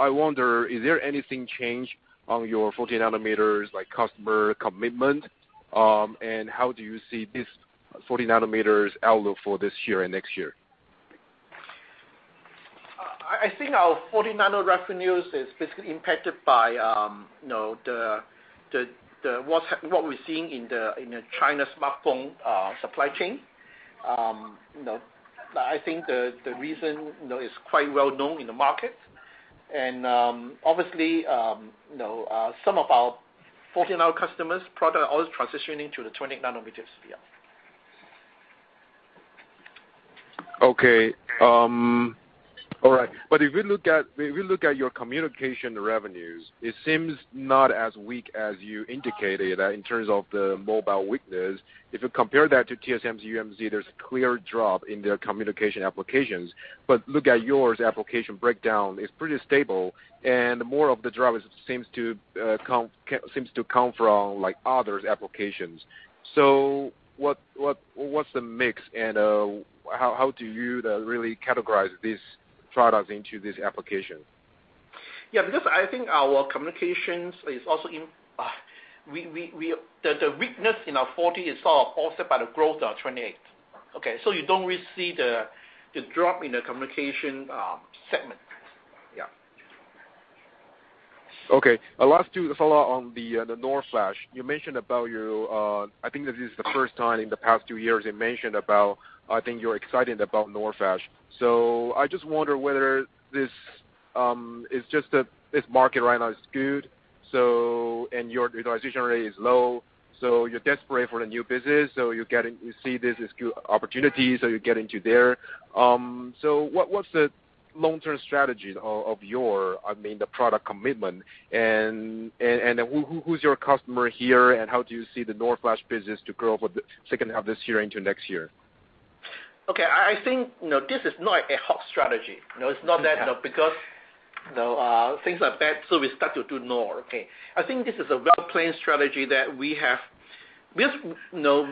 I wonder, is there anything change on your 14 nanometers, like customer commitment? How do you see this 14 nanometers outlook for this year and next year? I think our 40 nano revenues is basically impacted by what we're seeing in the China smartphone supply chain. I think the reason is quite well known in the market, obviously some of our 40 nano customers' product are all transitioning to the 20 nanometers. Yeah. Okay. All right. If we look at your communication revenues, it seems not as weak as you indicated in terms of the mobile weakness. If you compare that to TSMC, UMC, there's a clear drop in their communication applications. Look at yours, application breakdown is pretty stable, and more of the drop seems to come from other applications. What's the mix, and how do you really categorize these products into this application? Yeah. The weakness in our 40 is offset by the growth of our 28. Okay, you don't really see the drop in the communication segment. Yeah. Okay. Last two follow on the NOR flash. I think that this is the first time in the past two years you mentioned about, I think you're excited about NOR flash. I just wonder whether this is just that this market right now is good, and your utilization rate is low, you're desperate for the new business, you see this as good opportunity, you get into there. What's the long-term strategy of your, I mean, the product commitment and who's your customer here and how do you see the NOR flash business to grow for the second half of this year into next year? Okay, I think this is not a hot strategy. It's not that, because things are bad, we start to do NOR, okay. I think this is a well-planned strategy that we have. We know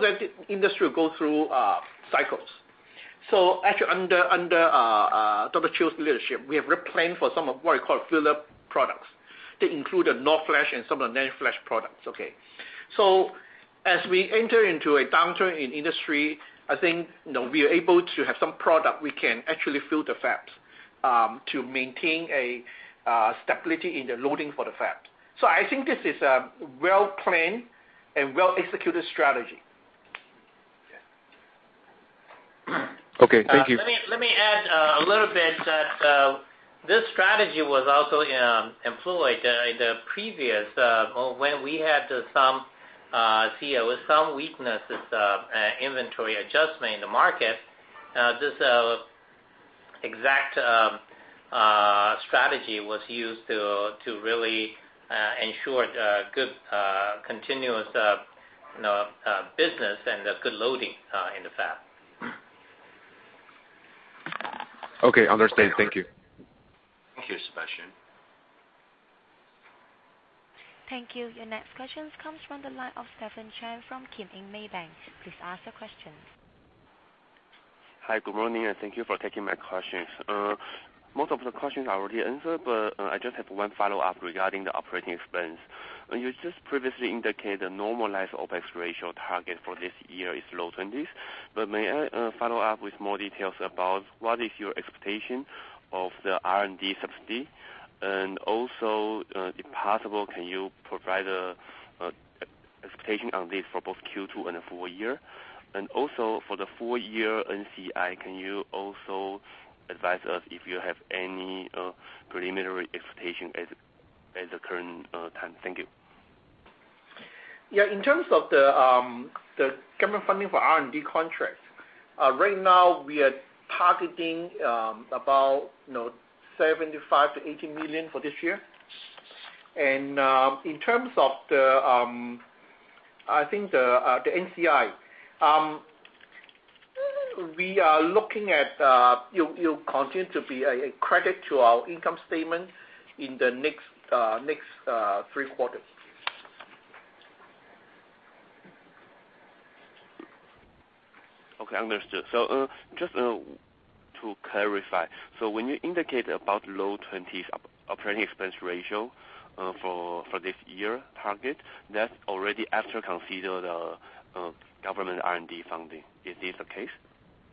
that industry will go through cycles. Actually, under Dr. Chiu's leadership, we have planned for some of what we call filler products. They include the NOR flash and some of the NAND flash products, okay. As we enter into a downturn in industry, I think, we are able to have some product we can actually fill the fabs, to maintain a stability in the loading for the fab. I think this is a well-planned and well-executed strategy. Yeah. Okay. Thank you. Let me add a little bit that this strategy was also employed in the previous, when we had some weaknesses inventory adjustment in the market. This exact strategy was used to really ensure good, continuous business and good loading in the fab. Okay, understood. Thank you. Thank you, Benson. Thank you. Your next question comes from the line of Stephen Chang from Maybank Kim Eng. Please ask your question. Hi. Good morning. Thank you for taking my questions. Most of the questions are already answered. I just have one follow-up regarding the operating expense. You just previously indicated the normalized OpEx ratio target for this year is low 20s. May I follow up with more details about what is your expectation of the R&D subsidy? If possible, can you provide expectation on this for both Q2 and the full year? For the full year NCI, can you also advise us if you have any preliminary expectation at the current time? Thank you. Yeah. In terms of the government funding for R&D contracts, right now we are targeting about $75 million-$80 million for this year. In terms of the NCI, we are looking at, you continue to be a credit to our income statement in the next 3 quarters. Okay, understood. Just to clarify, when you indicate about low 20s operating expense ratio for this year target, that's already after consider the government R&D funding. Is this the case?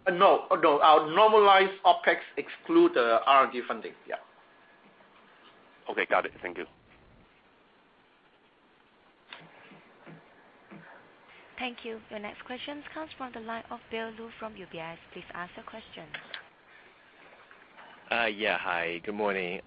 No. Our normalized OpEx exclude the R&D funding. Yeah. Okay, got it. Thank you. Thank you. Your next question comes from the line of Bill Lu from UBS. Please ask your question. Yeah. Hi, good morning.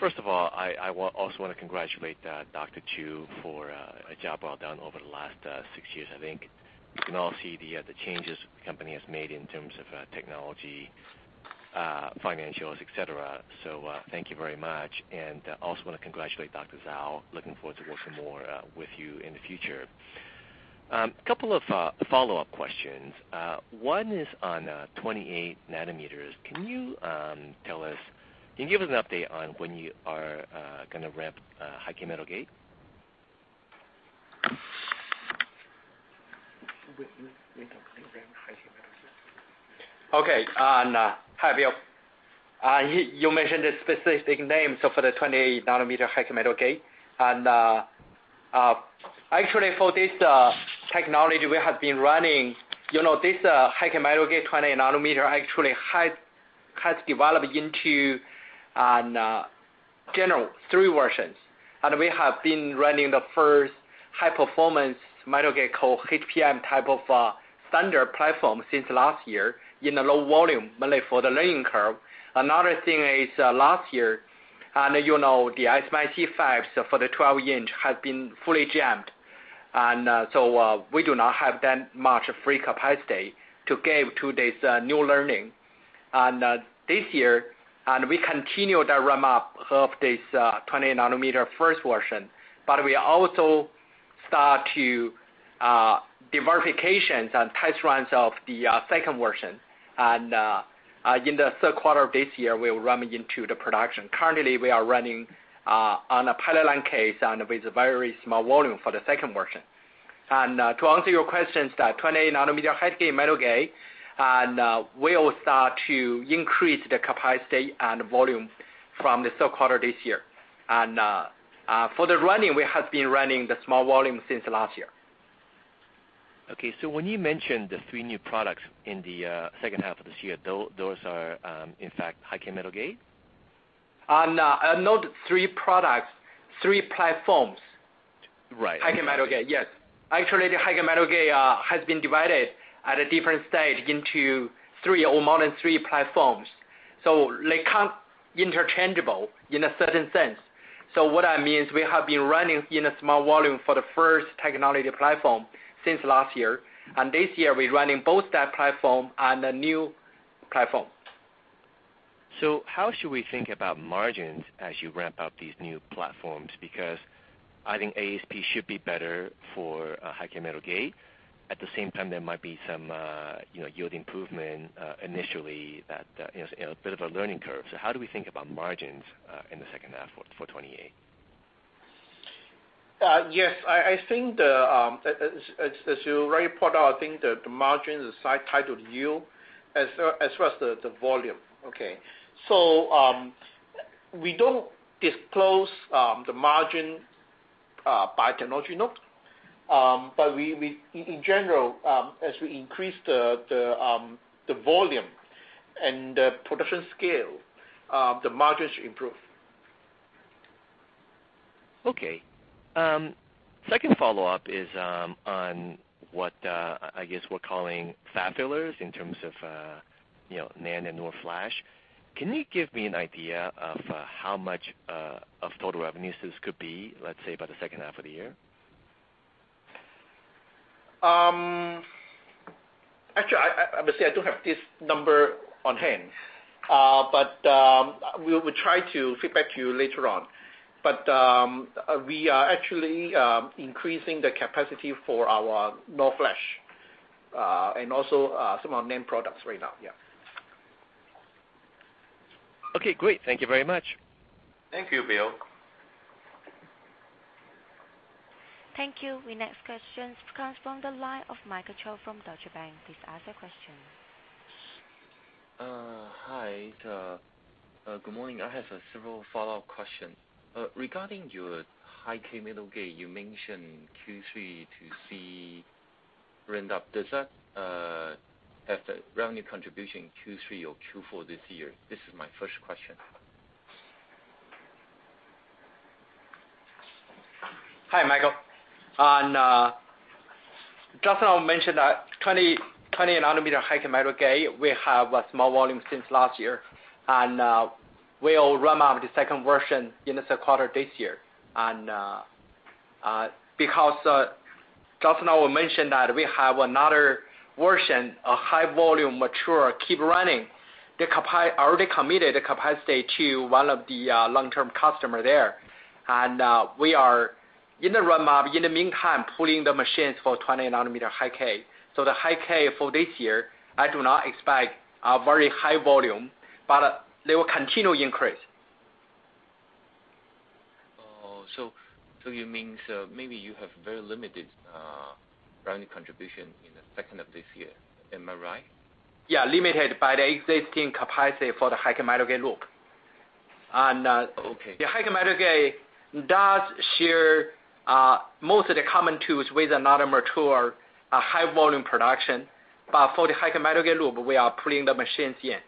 First of all, I also want to congratulate Dr. Chiu for a job well done over the last six years. I think we can all see the changes the company has made in terms of technology, financials, et cetera. Thank you very much. I also want to congratulate Dr. Zhao. Looking forward to work some more with you in the future. Couple of follow-up questions. One is on 28 nanometers. Can you give us an update on when you are going to ramp High-K Metal Gate? Okay. Hi, Bill. You mentioned a specific name, for the 28 nanometer High-K Metal Gate, actually for this technology, we have been running this High-K Metal Gate 28 nanometer actually has developed into general 3 versions. We have been running the first High-K Metal Gate called HPM type of standard platform since last year in a low volume, mainly for the learning curve. Another thing is, last year, you know the IC5 for the 12-inch has been fully jammed. We do not have that much free capacity to give to this new learning. This year, we continue the ramp-up of this 28 nanometer first version, but we also start to do verifications and test runs of the second version. In the third quarter of this year, we'll ramp into the production. Currently, we are running on a pilot line case, with very small volume for the second version. To answer your questions that 28 nanometer High-K Metal Gate, we will start to increase the capacity and volume from the third quarter this year. For the running, we have been running the small volume since last year. Okay. When you mentioned the three new products in the second half of this year, those are, in fact, High-K Metal Gate? No. Not three products, three platforms. Right. High-K Metal Gate. Yes. Actually, the High-K Metal Gate has been divided at a different stage into three or more than three platforms. They can't interchangeable in a certain sense. What I mean is we have been running in a small volume for the first technology platform since last year, and this year we're running both that platform and a new platform. How should we think about margins as you ramp up these new platforms? I think ASP should be better for High-K Metal Gate. At the same time, there might be some yield improvement, initially a bit of a learning curve. How do we think about margins, in the second half for 28? Yes, I think as you already point out, I think the margin is tied to the yield, as well as the volume, okay. We don't disclose the margin by technology node, but in general, as we increase the volume and the production scale, the margins improve. Okay. Second follow-up is on what, I guess we're calling fab fillers in terms of NAND and NOR flash. Can you give me an idea of how much of total revenues this could be, let's say, by the second half of the year? Actually, obviously, I don't have this number on hand. We will try to feedback to you later on. We are actually increasing the capacity for our NOR flash, and also some of our NAND products right now. Yeah. Okay, great. Thank you very much. Thank you, Bill. Thank you. The next questions comes from the line of Michael Chou from Deutsche Bank. Please ask your question. Hi. Good morning. I have several follow-up questions. Regarding your High-K Metal Gate, you mentioned Q3 to see ramp up. Does that have the revenue contribution Q3 or Q4 this year? This is my first question. Hi, Michael. Gao mentioned that 28 nanometer High-K Metal Gate, we have a small volume since last year, and we'll ramp up the second version in the third quarter this year. Because Gao mentioned that we have another version, a high volume mature keep running. They already committed the capacity to one of the long-term customer there. We are in the ramp-up, in the meantime, pulling the machines for 28 nanometer High-K. The High-K for this year, I do not expect a very high volume, but they will continue increase. Oh. You mean, maybe you have very limited revenue contribution in the second half of this year. Am I right? Yeah, limited by the existing capacity for the High-K Metal Gate loop. Okay The High-K Metal Gate does share most of the common tools with another mature, high-volume production. For the High-K Metal Gate loop, we are pulling the machines, yeah.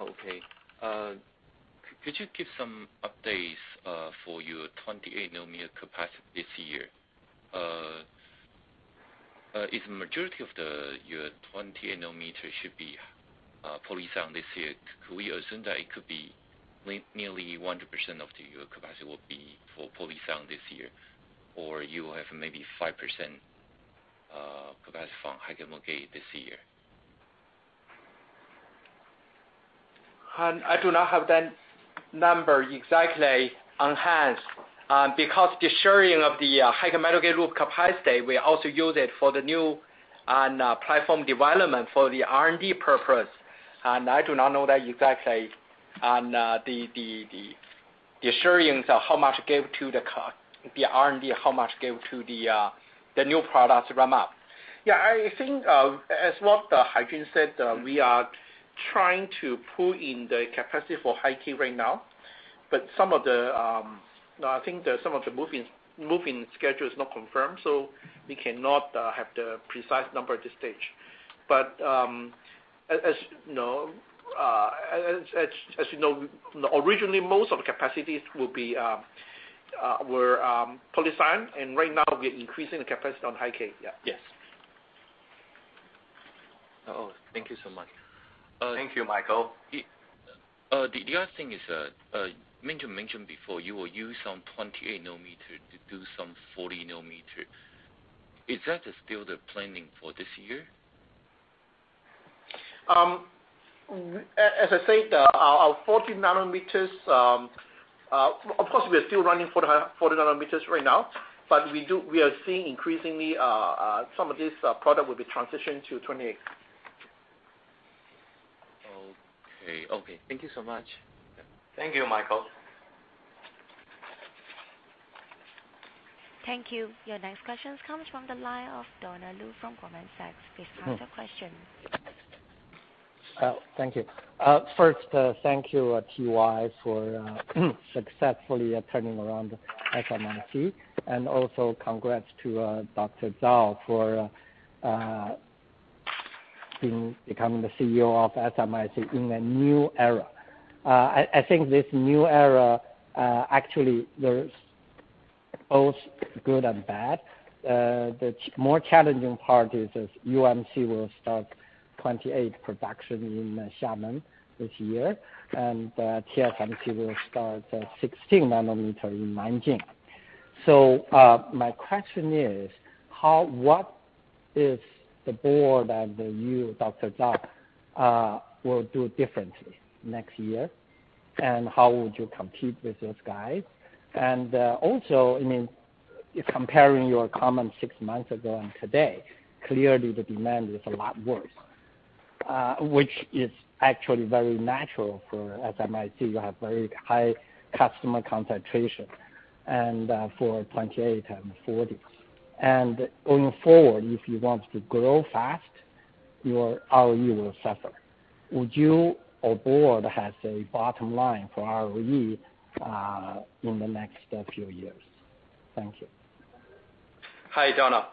Okay. Could you give some updates for your 28 nanometer capacity this year? If majority of your 28 nanometer should be polysilicon this year, could we assume that it could be nearly 100% of your capacity will be for polysilicon this year, or you will have maybe 5% capacity from High-K Metal Gate this year? I do not have that number exactly on hand. The sharing of the High-K Metal Gate loop capacity, we also use it for the new platform development for the R&D purpose. I do not know that exactly on the assurance of how much gave to the R&D, how much gave to the new products ramp up. Yeah, I think, as what Haijun said, we are trying to pull in the capacity for High-K right now. I think that some of the moving schedule is not confirmed, so we cannot have the precise number at this stage. As you know, originally, most of the capacities were polysilicon, and right now we're increasing the capacity on High-K. Yeah. Yes. Thank you so much. Thank you, Michael. The other thing is, Min mentioned before you will use some 28 nanometer to do some 40 nanometer. Is that still the planning for this year? As I said, our 40 nanometers, of course, we are still running 40 nanometers right now, but we are seeing increasingly, some of this product will be transitioned to 28. Okay. Thank you so much. Thank you, Michael. Thank you. Your next question comes from the line of Donald Lu from Goldman Sachs. Please pause for question. Thank you. First, thank you, T.Y., for successfully turning around SMIC, and also congrats to Dr. Zhao for becoming the CEO of SMIC in a new era. I think this new era, actually, there's both good and bad. The more challenging part is UMC will start 28 production in Xiamen this year, TSMC will start 16 nanometer in Nanjing. My question is, what is the board and you, Dr. Zhao, will do differently next year, and how would you compete with those guys? Also, comparing your comment six months ago and today, clearly the demand is a lot worse, which is actually very natural for SMIC. You have very high customer concentration, and for 28 and 40. Going forward, if you want to grow fast, your ROE will suffer. Would you or board has a bottom line for ROE in the next few years? Thank you. Hi, Donald.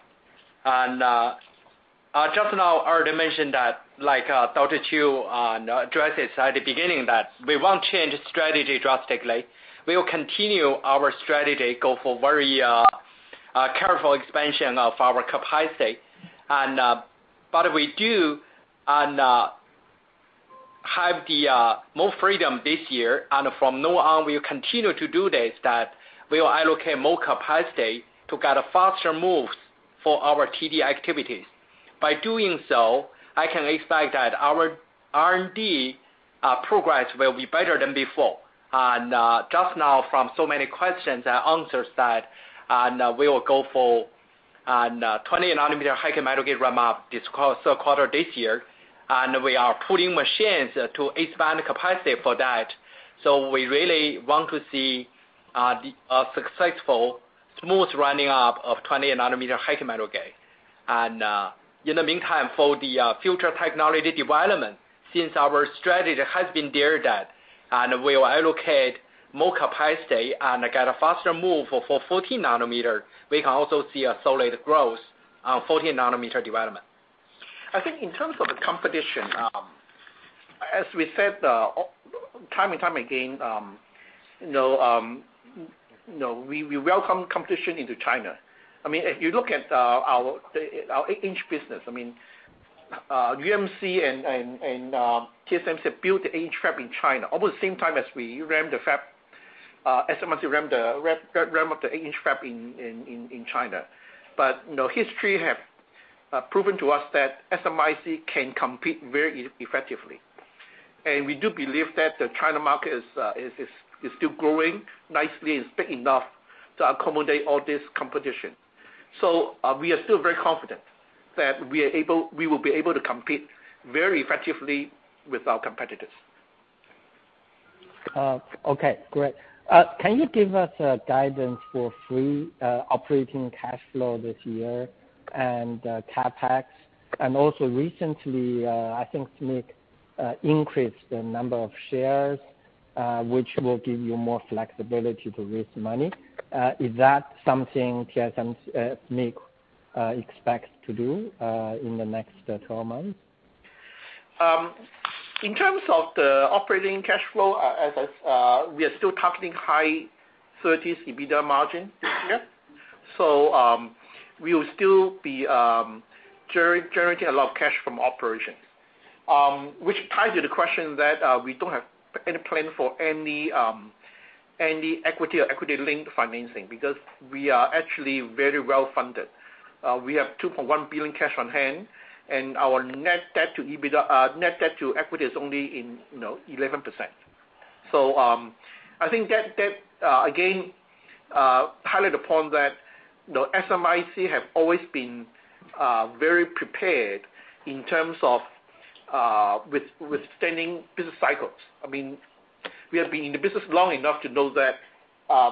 Just now, I already mentioned that, like Dr. Chiu addresses at the beginning, that we won't change strategy drastically. We will continue our strategy, go for very careful expansion of our capacity. We do have more freedom this year, and from now on, we will continue to do this, that we will allocate more capacity to get faster moves for our TD activities. By doing so, I can expect that our R&D progress will be better than before. Just now, from so many questions and answers that, we will go for 20 nanometer High-K Metal Gate ramp this third quarter this year, and we are putting machines to expand capacity for that. We really want to see a successful, smooth running up of 20 nanometer High-K Metal Gate. In the meantime, for the future technology development, since our strategy has been there that, we will allocate more capacity and get a faster move for 14 nanometer. We can also see a solid growth on 14 nanometer development. I think in terms of the competition, as we said time and time again, we welcome competition into China. If you look at our eight-inch business, UMC and TSMC built the eight-inch fab in China almost the same time as SMIC ramped up the eight-inch fab in China. History have proven to us that SMIC can compete very effectively, we do believe that the China market is still growing nicely and is big enough to accommodate all this competition. We are still very confident that we will be able to compete very effectively with our competitors. Okay, great. Can you give us a guidance for free operating cash flow this year and CapEx? Recently, I think SMIC increased the number of shares, which will give you more flexibility to raise money. Is that something SMIC expects to do in the next 12 months? In terms of the operating cash flow, we are still targeting high 30s EBITDA margin this year. We will still be generating a lot of cash from operations, which ties to the question that we don't have any plan for any equity or equity-linked financing, because we are actually very well-funded. We have $2.1 billion cash on hand, and our net debt to equity is only 11%. I think that, again, highlight the point that SMIC have always been very prepared in terms of withstanding business cycles. We have been in the business long enough to know that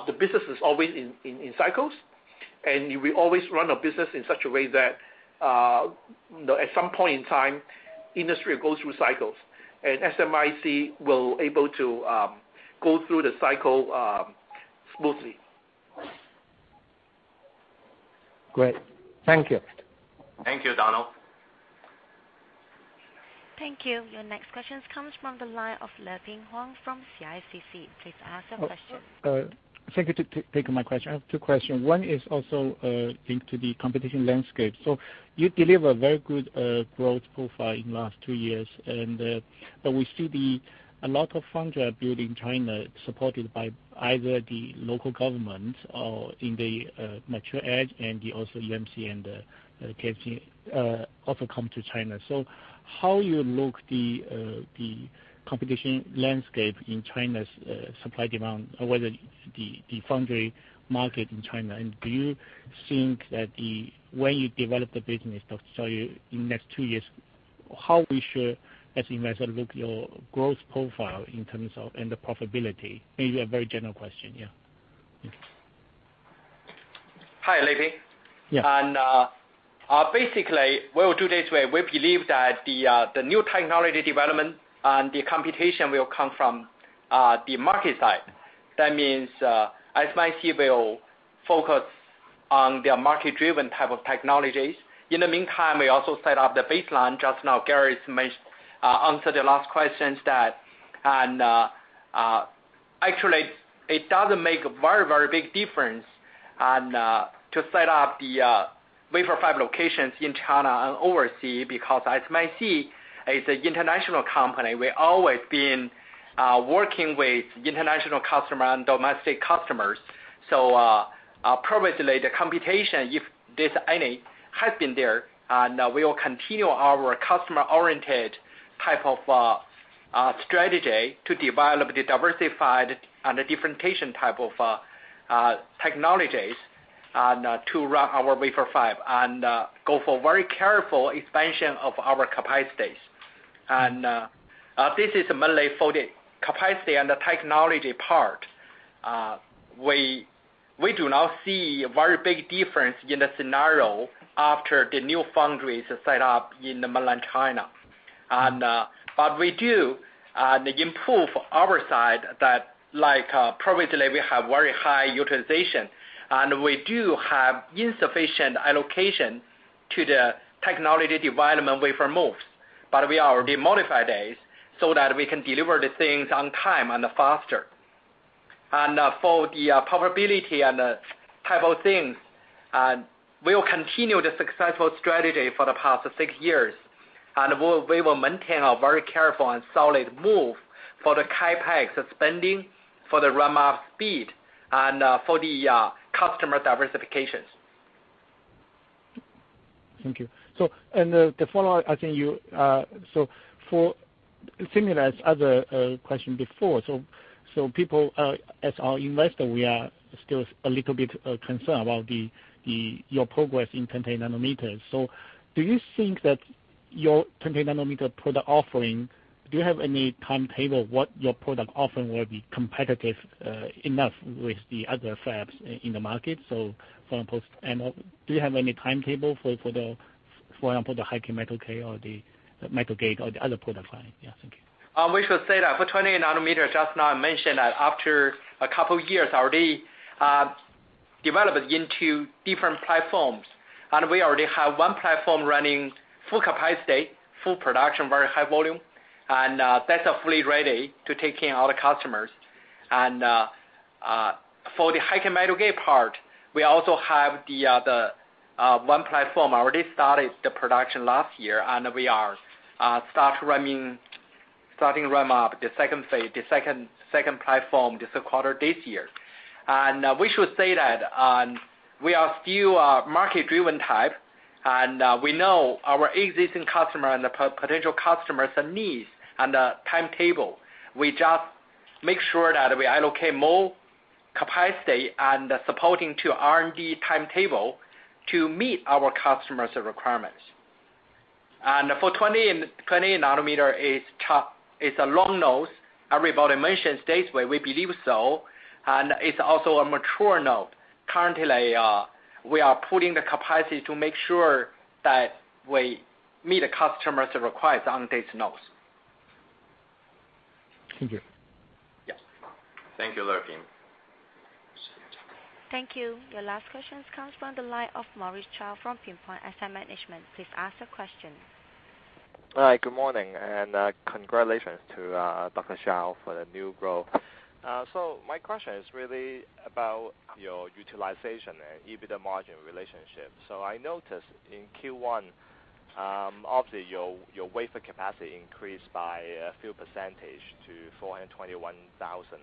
the business is always in cycles, and we always run our business in such a way that, at some point in time, industry will go through cycles, and SMIC will able to go through the cycle smoothly. Great. Thank you. Thank you, Donald. Thank you. Your next question comes from the line of Leping Huang from CICC. Please ask your question. Thank you. Thank you for taking my question. I have two questions. One is also linked to the competition landscape. You deliver very good growth profile in last two years, but we see a lot of foundry are built in China, supported by either the local government or in the mature edge. UMC and TSMC also come to China. How you look the competition landscape in China's supply demand or whether the foundry market in China? Do you think that the way you develop the business, Dr. Chiu, in next two years, how we should, as investor, look your growth profile in terms of, and the profitability? Maybe a very general question, yeah. Hi, Leping. Yeah. Basically, we will do this way. We believe that the new technology development and the competition will come from the market side. That means SMIC will focus on their market-driven type of technologies. In the meantime, we also set up the baseline, just now, Gareth answered the last questions that, actually, it doesn't make a very big difference to set up the wafer fab locations in China and overseas, because SMIC is an international company. We've always been working with international customers and domestic customers. Probably, the competition, if there's any, has been there, and we will continue our customer-oriented type of strategy to develop the diversified and the differentiation type of technologies to run our wafer fab, and go for very careful expansion of our capacities. This is mainly for the capacity and the technology part. We do not see a very big difference in the scenario after the new foundry set up in mainland China. We do improve our side that, probably, we have very high utilization, and we do have insufficient allocation to the technology development wafer moves. We already modified it so that we can deliver the things on time and faster. For the profitability and type of things, we will continue the successful strategy for the past six years. We will maintain a very careful and solid move for the CapEx spending, for the ramp-up speed, and for the customer diversifications. Thank you. The follow-up, I think similar as other question before, people, as our investor, we are still a little bit concerned about your progress in 28 nanometers. Do you think that your 28 nanometer product offering, do you have any timetable what your product offering will be competitive enough with the other fabs in the market? For example, do you have any timetable for the High-K Metal Gate or the metal gate or the other product line? Thank you. We should say that for 28 nanometer, just now I mentioned that after a couple years already, development into different platforms. We already have one platform running full capacity, full production, very high volume, and that's fully ready to take in all the customers. For the High-K Metal Gate part, we also have the one platform already started the production last year, and we are starting ramp up the second phase, the second platform, the third quarter, this year. We should say that we are still market-driven type, and we know our existing customer and potential customers' needs and the timetable. We just make sure that we allocate more capacity and supporting to R&D timetable to meet our customers' requirements. For 28 nanometer, it's a long node. Everybody mentions this, well, we believe so, and it's also a mature node. Currently, we are putting the capacity to make sure that we meet the customers' requirements on these nodes. Thank you. Yes. Thank you, Lapin. Thank you. Your last questions comes from the line of Maurice Chow from Pinpoint Asset Management. Please ask your question. Hi, good morning. Congratulations to Dr. Zhao for the new role. My question is really about your utilization and EBITDA margin relationship. I noticed in Q1, obviously, your wafer capacity increased by a few percentage to 421,000.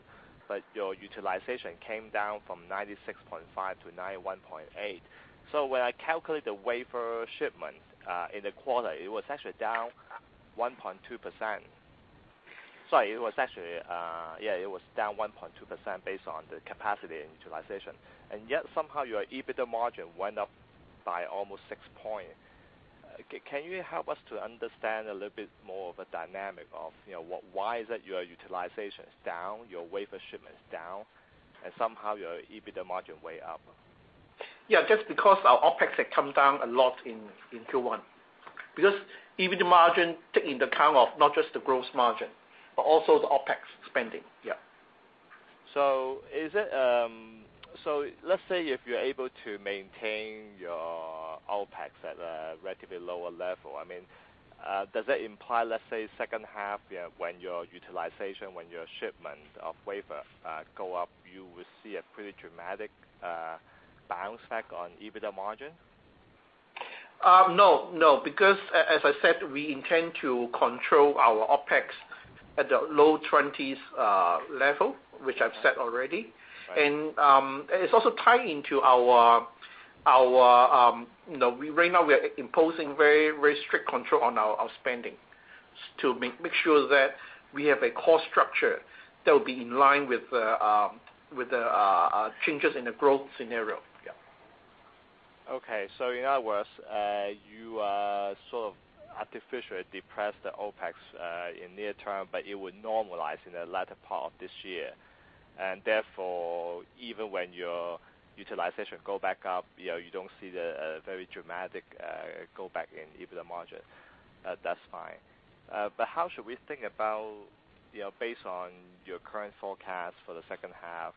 Your utilization came down from 96.5 to 91.8. When I calculate the wafer shipment, in the quarter, it was actually down 1.2%. Sorry, it was down 1.2% based on the capacity and utilization. Yet somehow your EBITDA margin went up by almost six point. Can you help us to understand a little bit more of a dynamic of why is it your utilization is down, your wafer shipment is down, and somehow your EBITDA margin way up? Yeah, just because our OpEx had come down a lot in Q1. EBITDA margin take into account of not just the gross margin, but also the OpEx spending. Yeah. Let's say if you're able to maintain your OpEx at a relatively lower level, does that imply, let's say, second half, when your utilization, when your shipment of wafer go up, you will see a pretty dramatic bounce back on EBITDA margin? No, because as I said, we intend to control our OpEx at the low 20s level, which I've said already. Right. It's also tied into our, right now we are imposing very strict control on our spending to make sure that we have a cost structure that will be in line with the changes in the growth scenario. Yeah. In other words, you artificially depressed the OpEx in near term, but it would normalize in the latter part of this year. Therefore, even when your utilization go back up, you don't see the very dramatic go back in EBITDA margin. That's fine. How should we think about, based on your current forecast for the second half,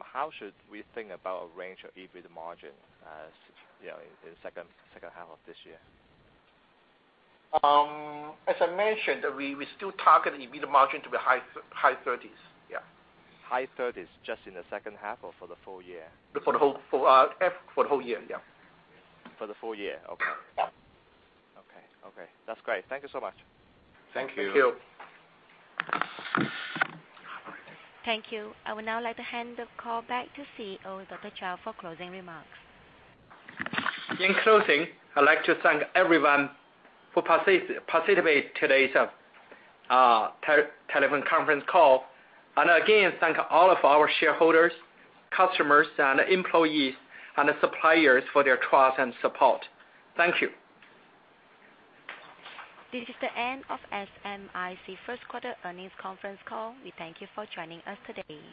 how should we think about range of EBITDA margin in the second half of this year? As I mentioned, we still target EBITDA margin to be high 30s. Yeah. High 30s just in the second half or for the full year? For the whole year, yeah. For the full year, okay. Yeah. Okay. That's great. Thank you so much. Thank you. Thank you. Thank you. I would now like to hand the call back to CEO, Dr. Chao, for closing remarks. In closing, I'd like to thank everyone who participate today's telephone conference call. Again, thank all of our shareholders, customers, and employees, and the suppliers for their trust and support. Thank you. This is the end of SMIC first quarter earnings conference call. We thank you for joining us today.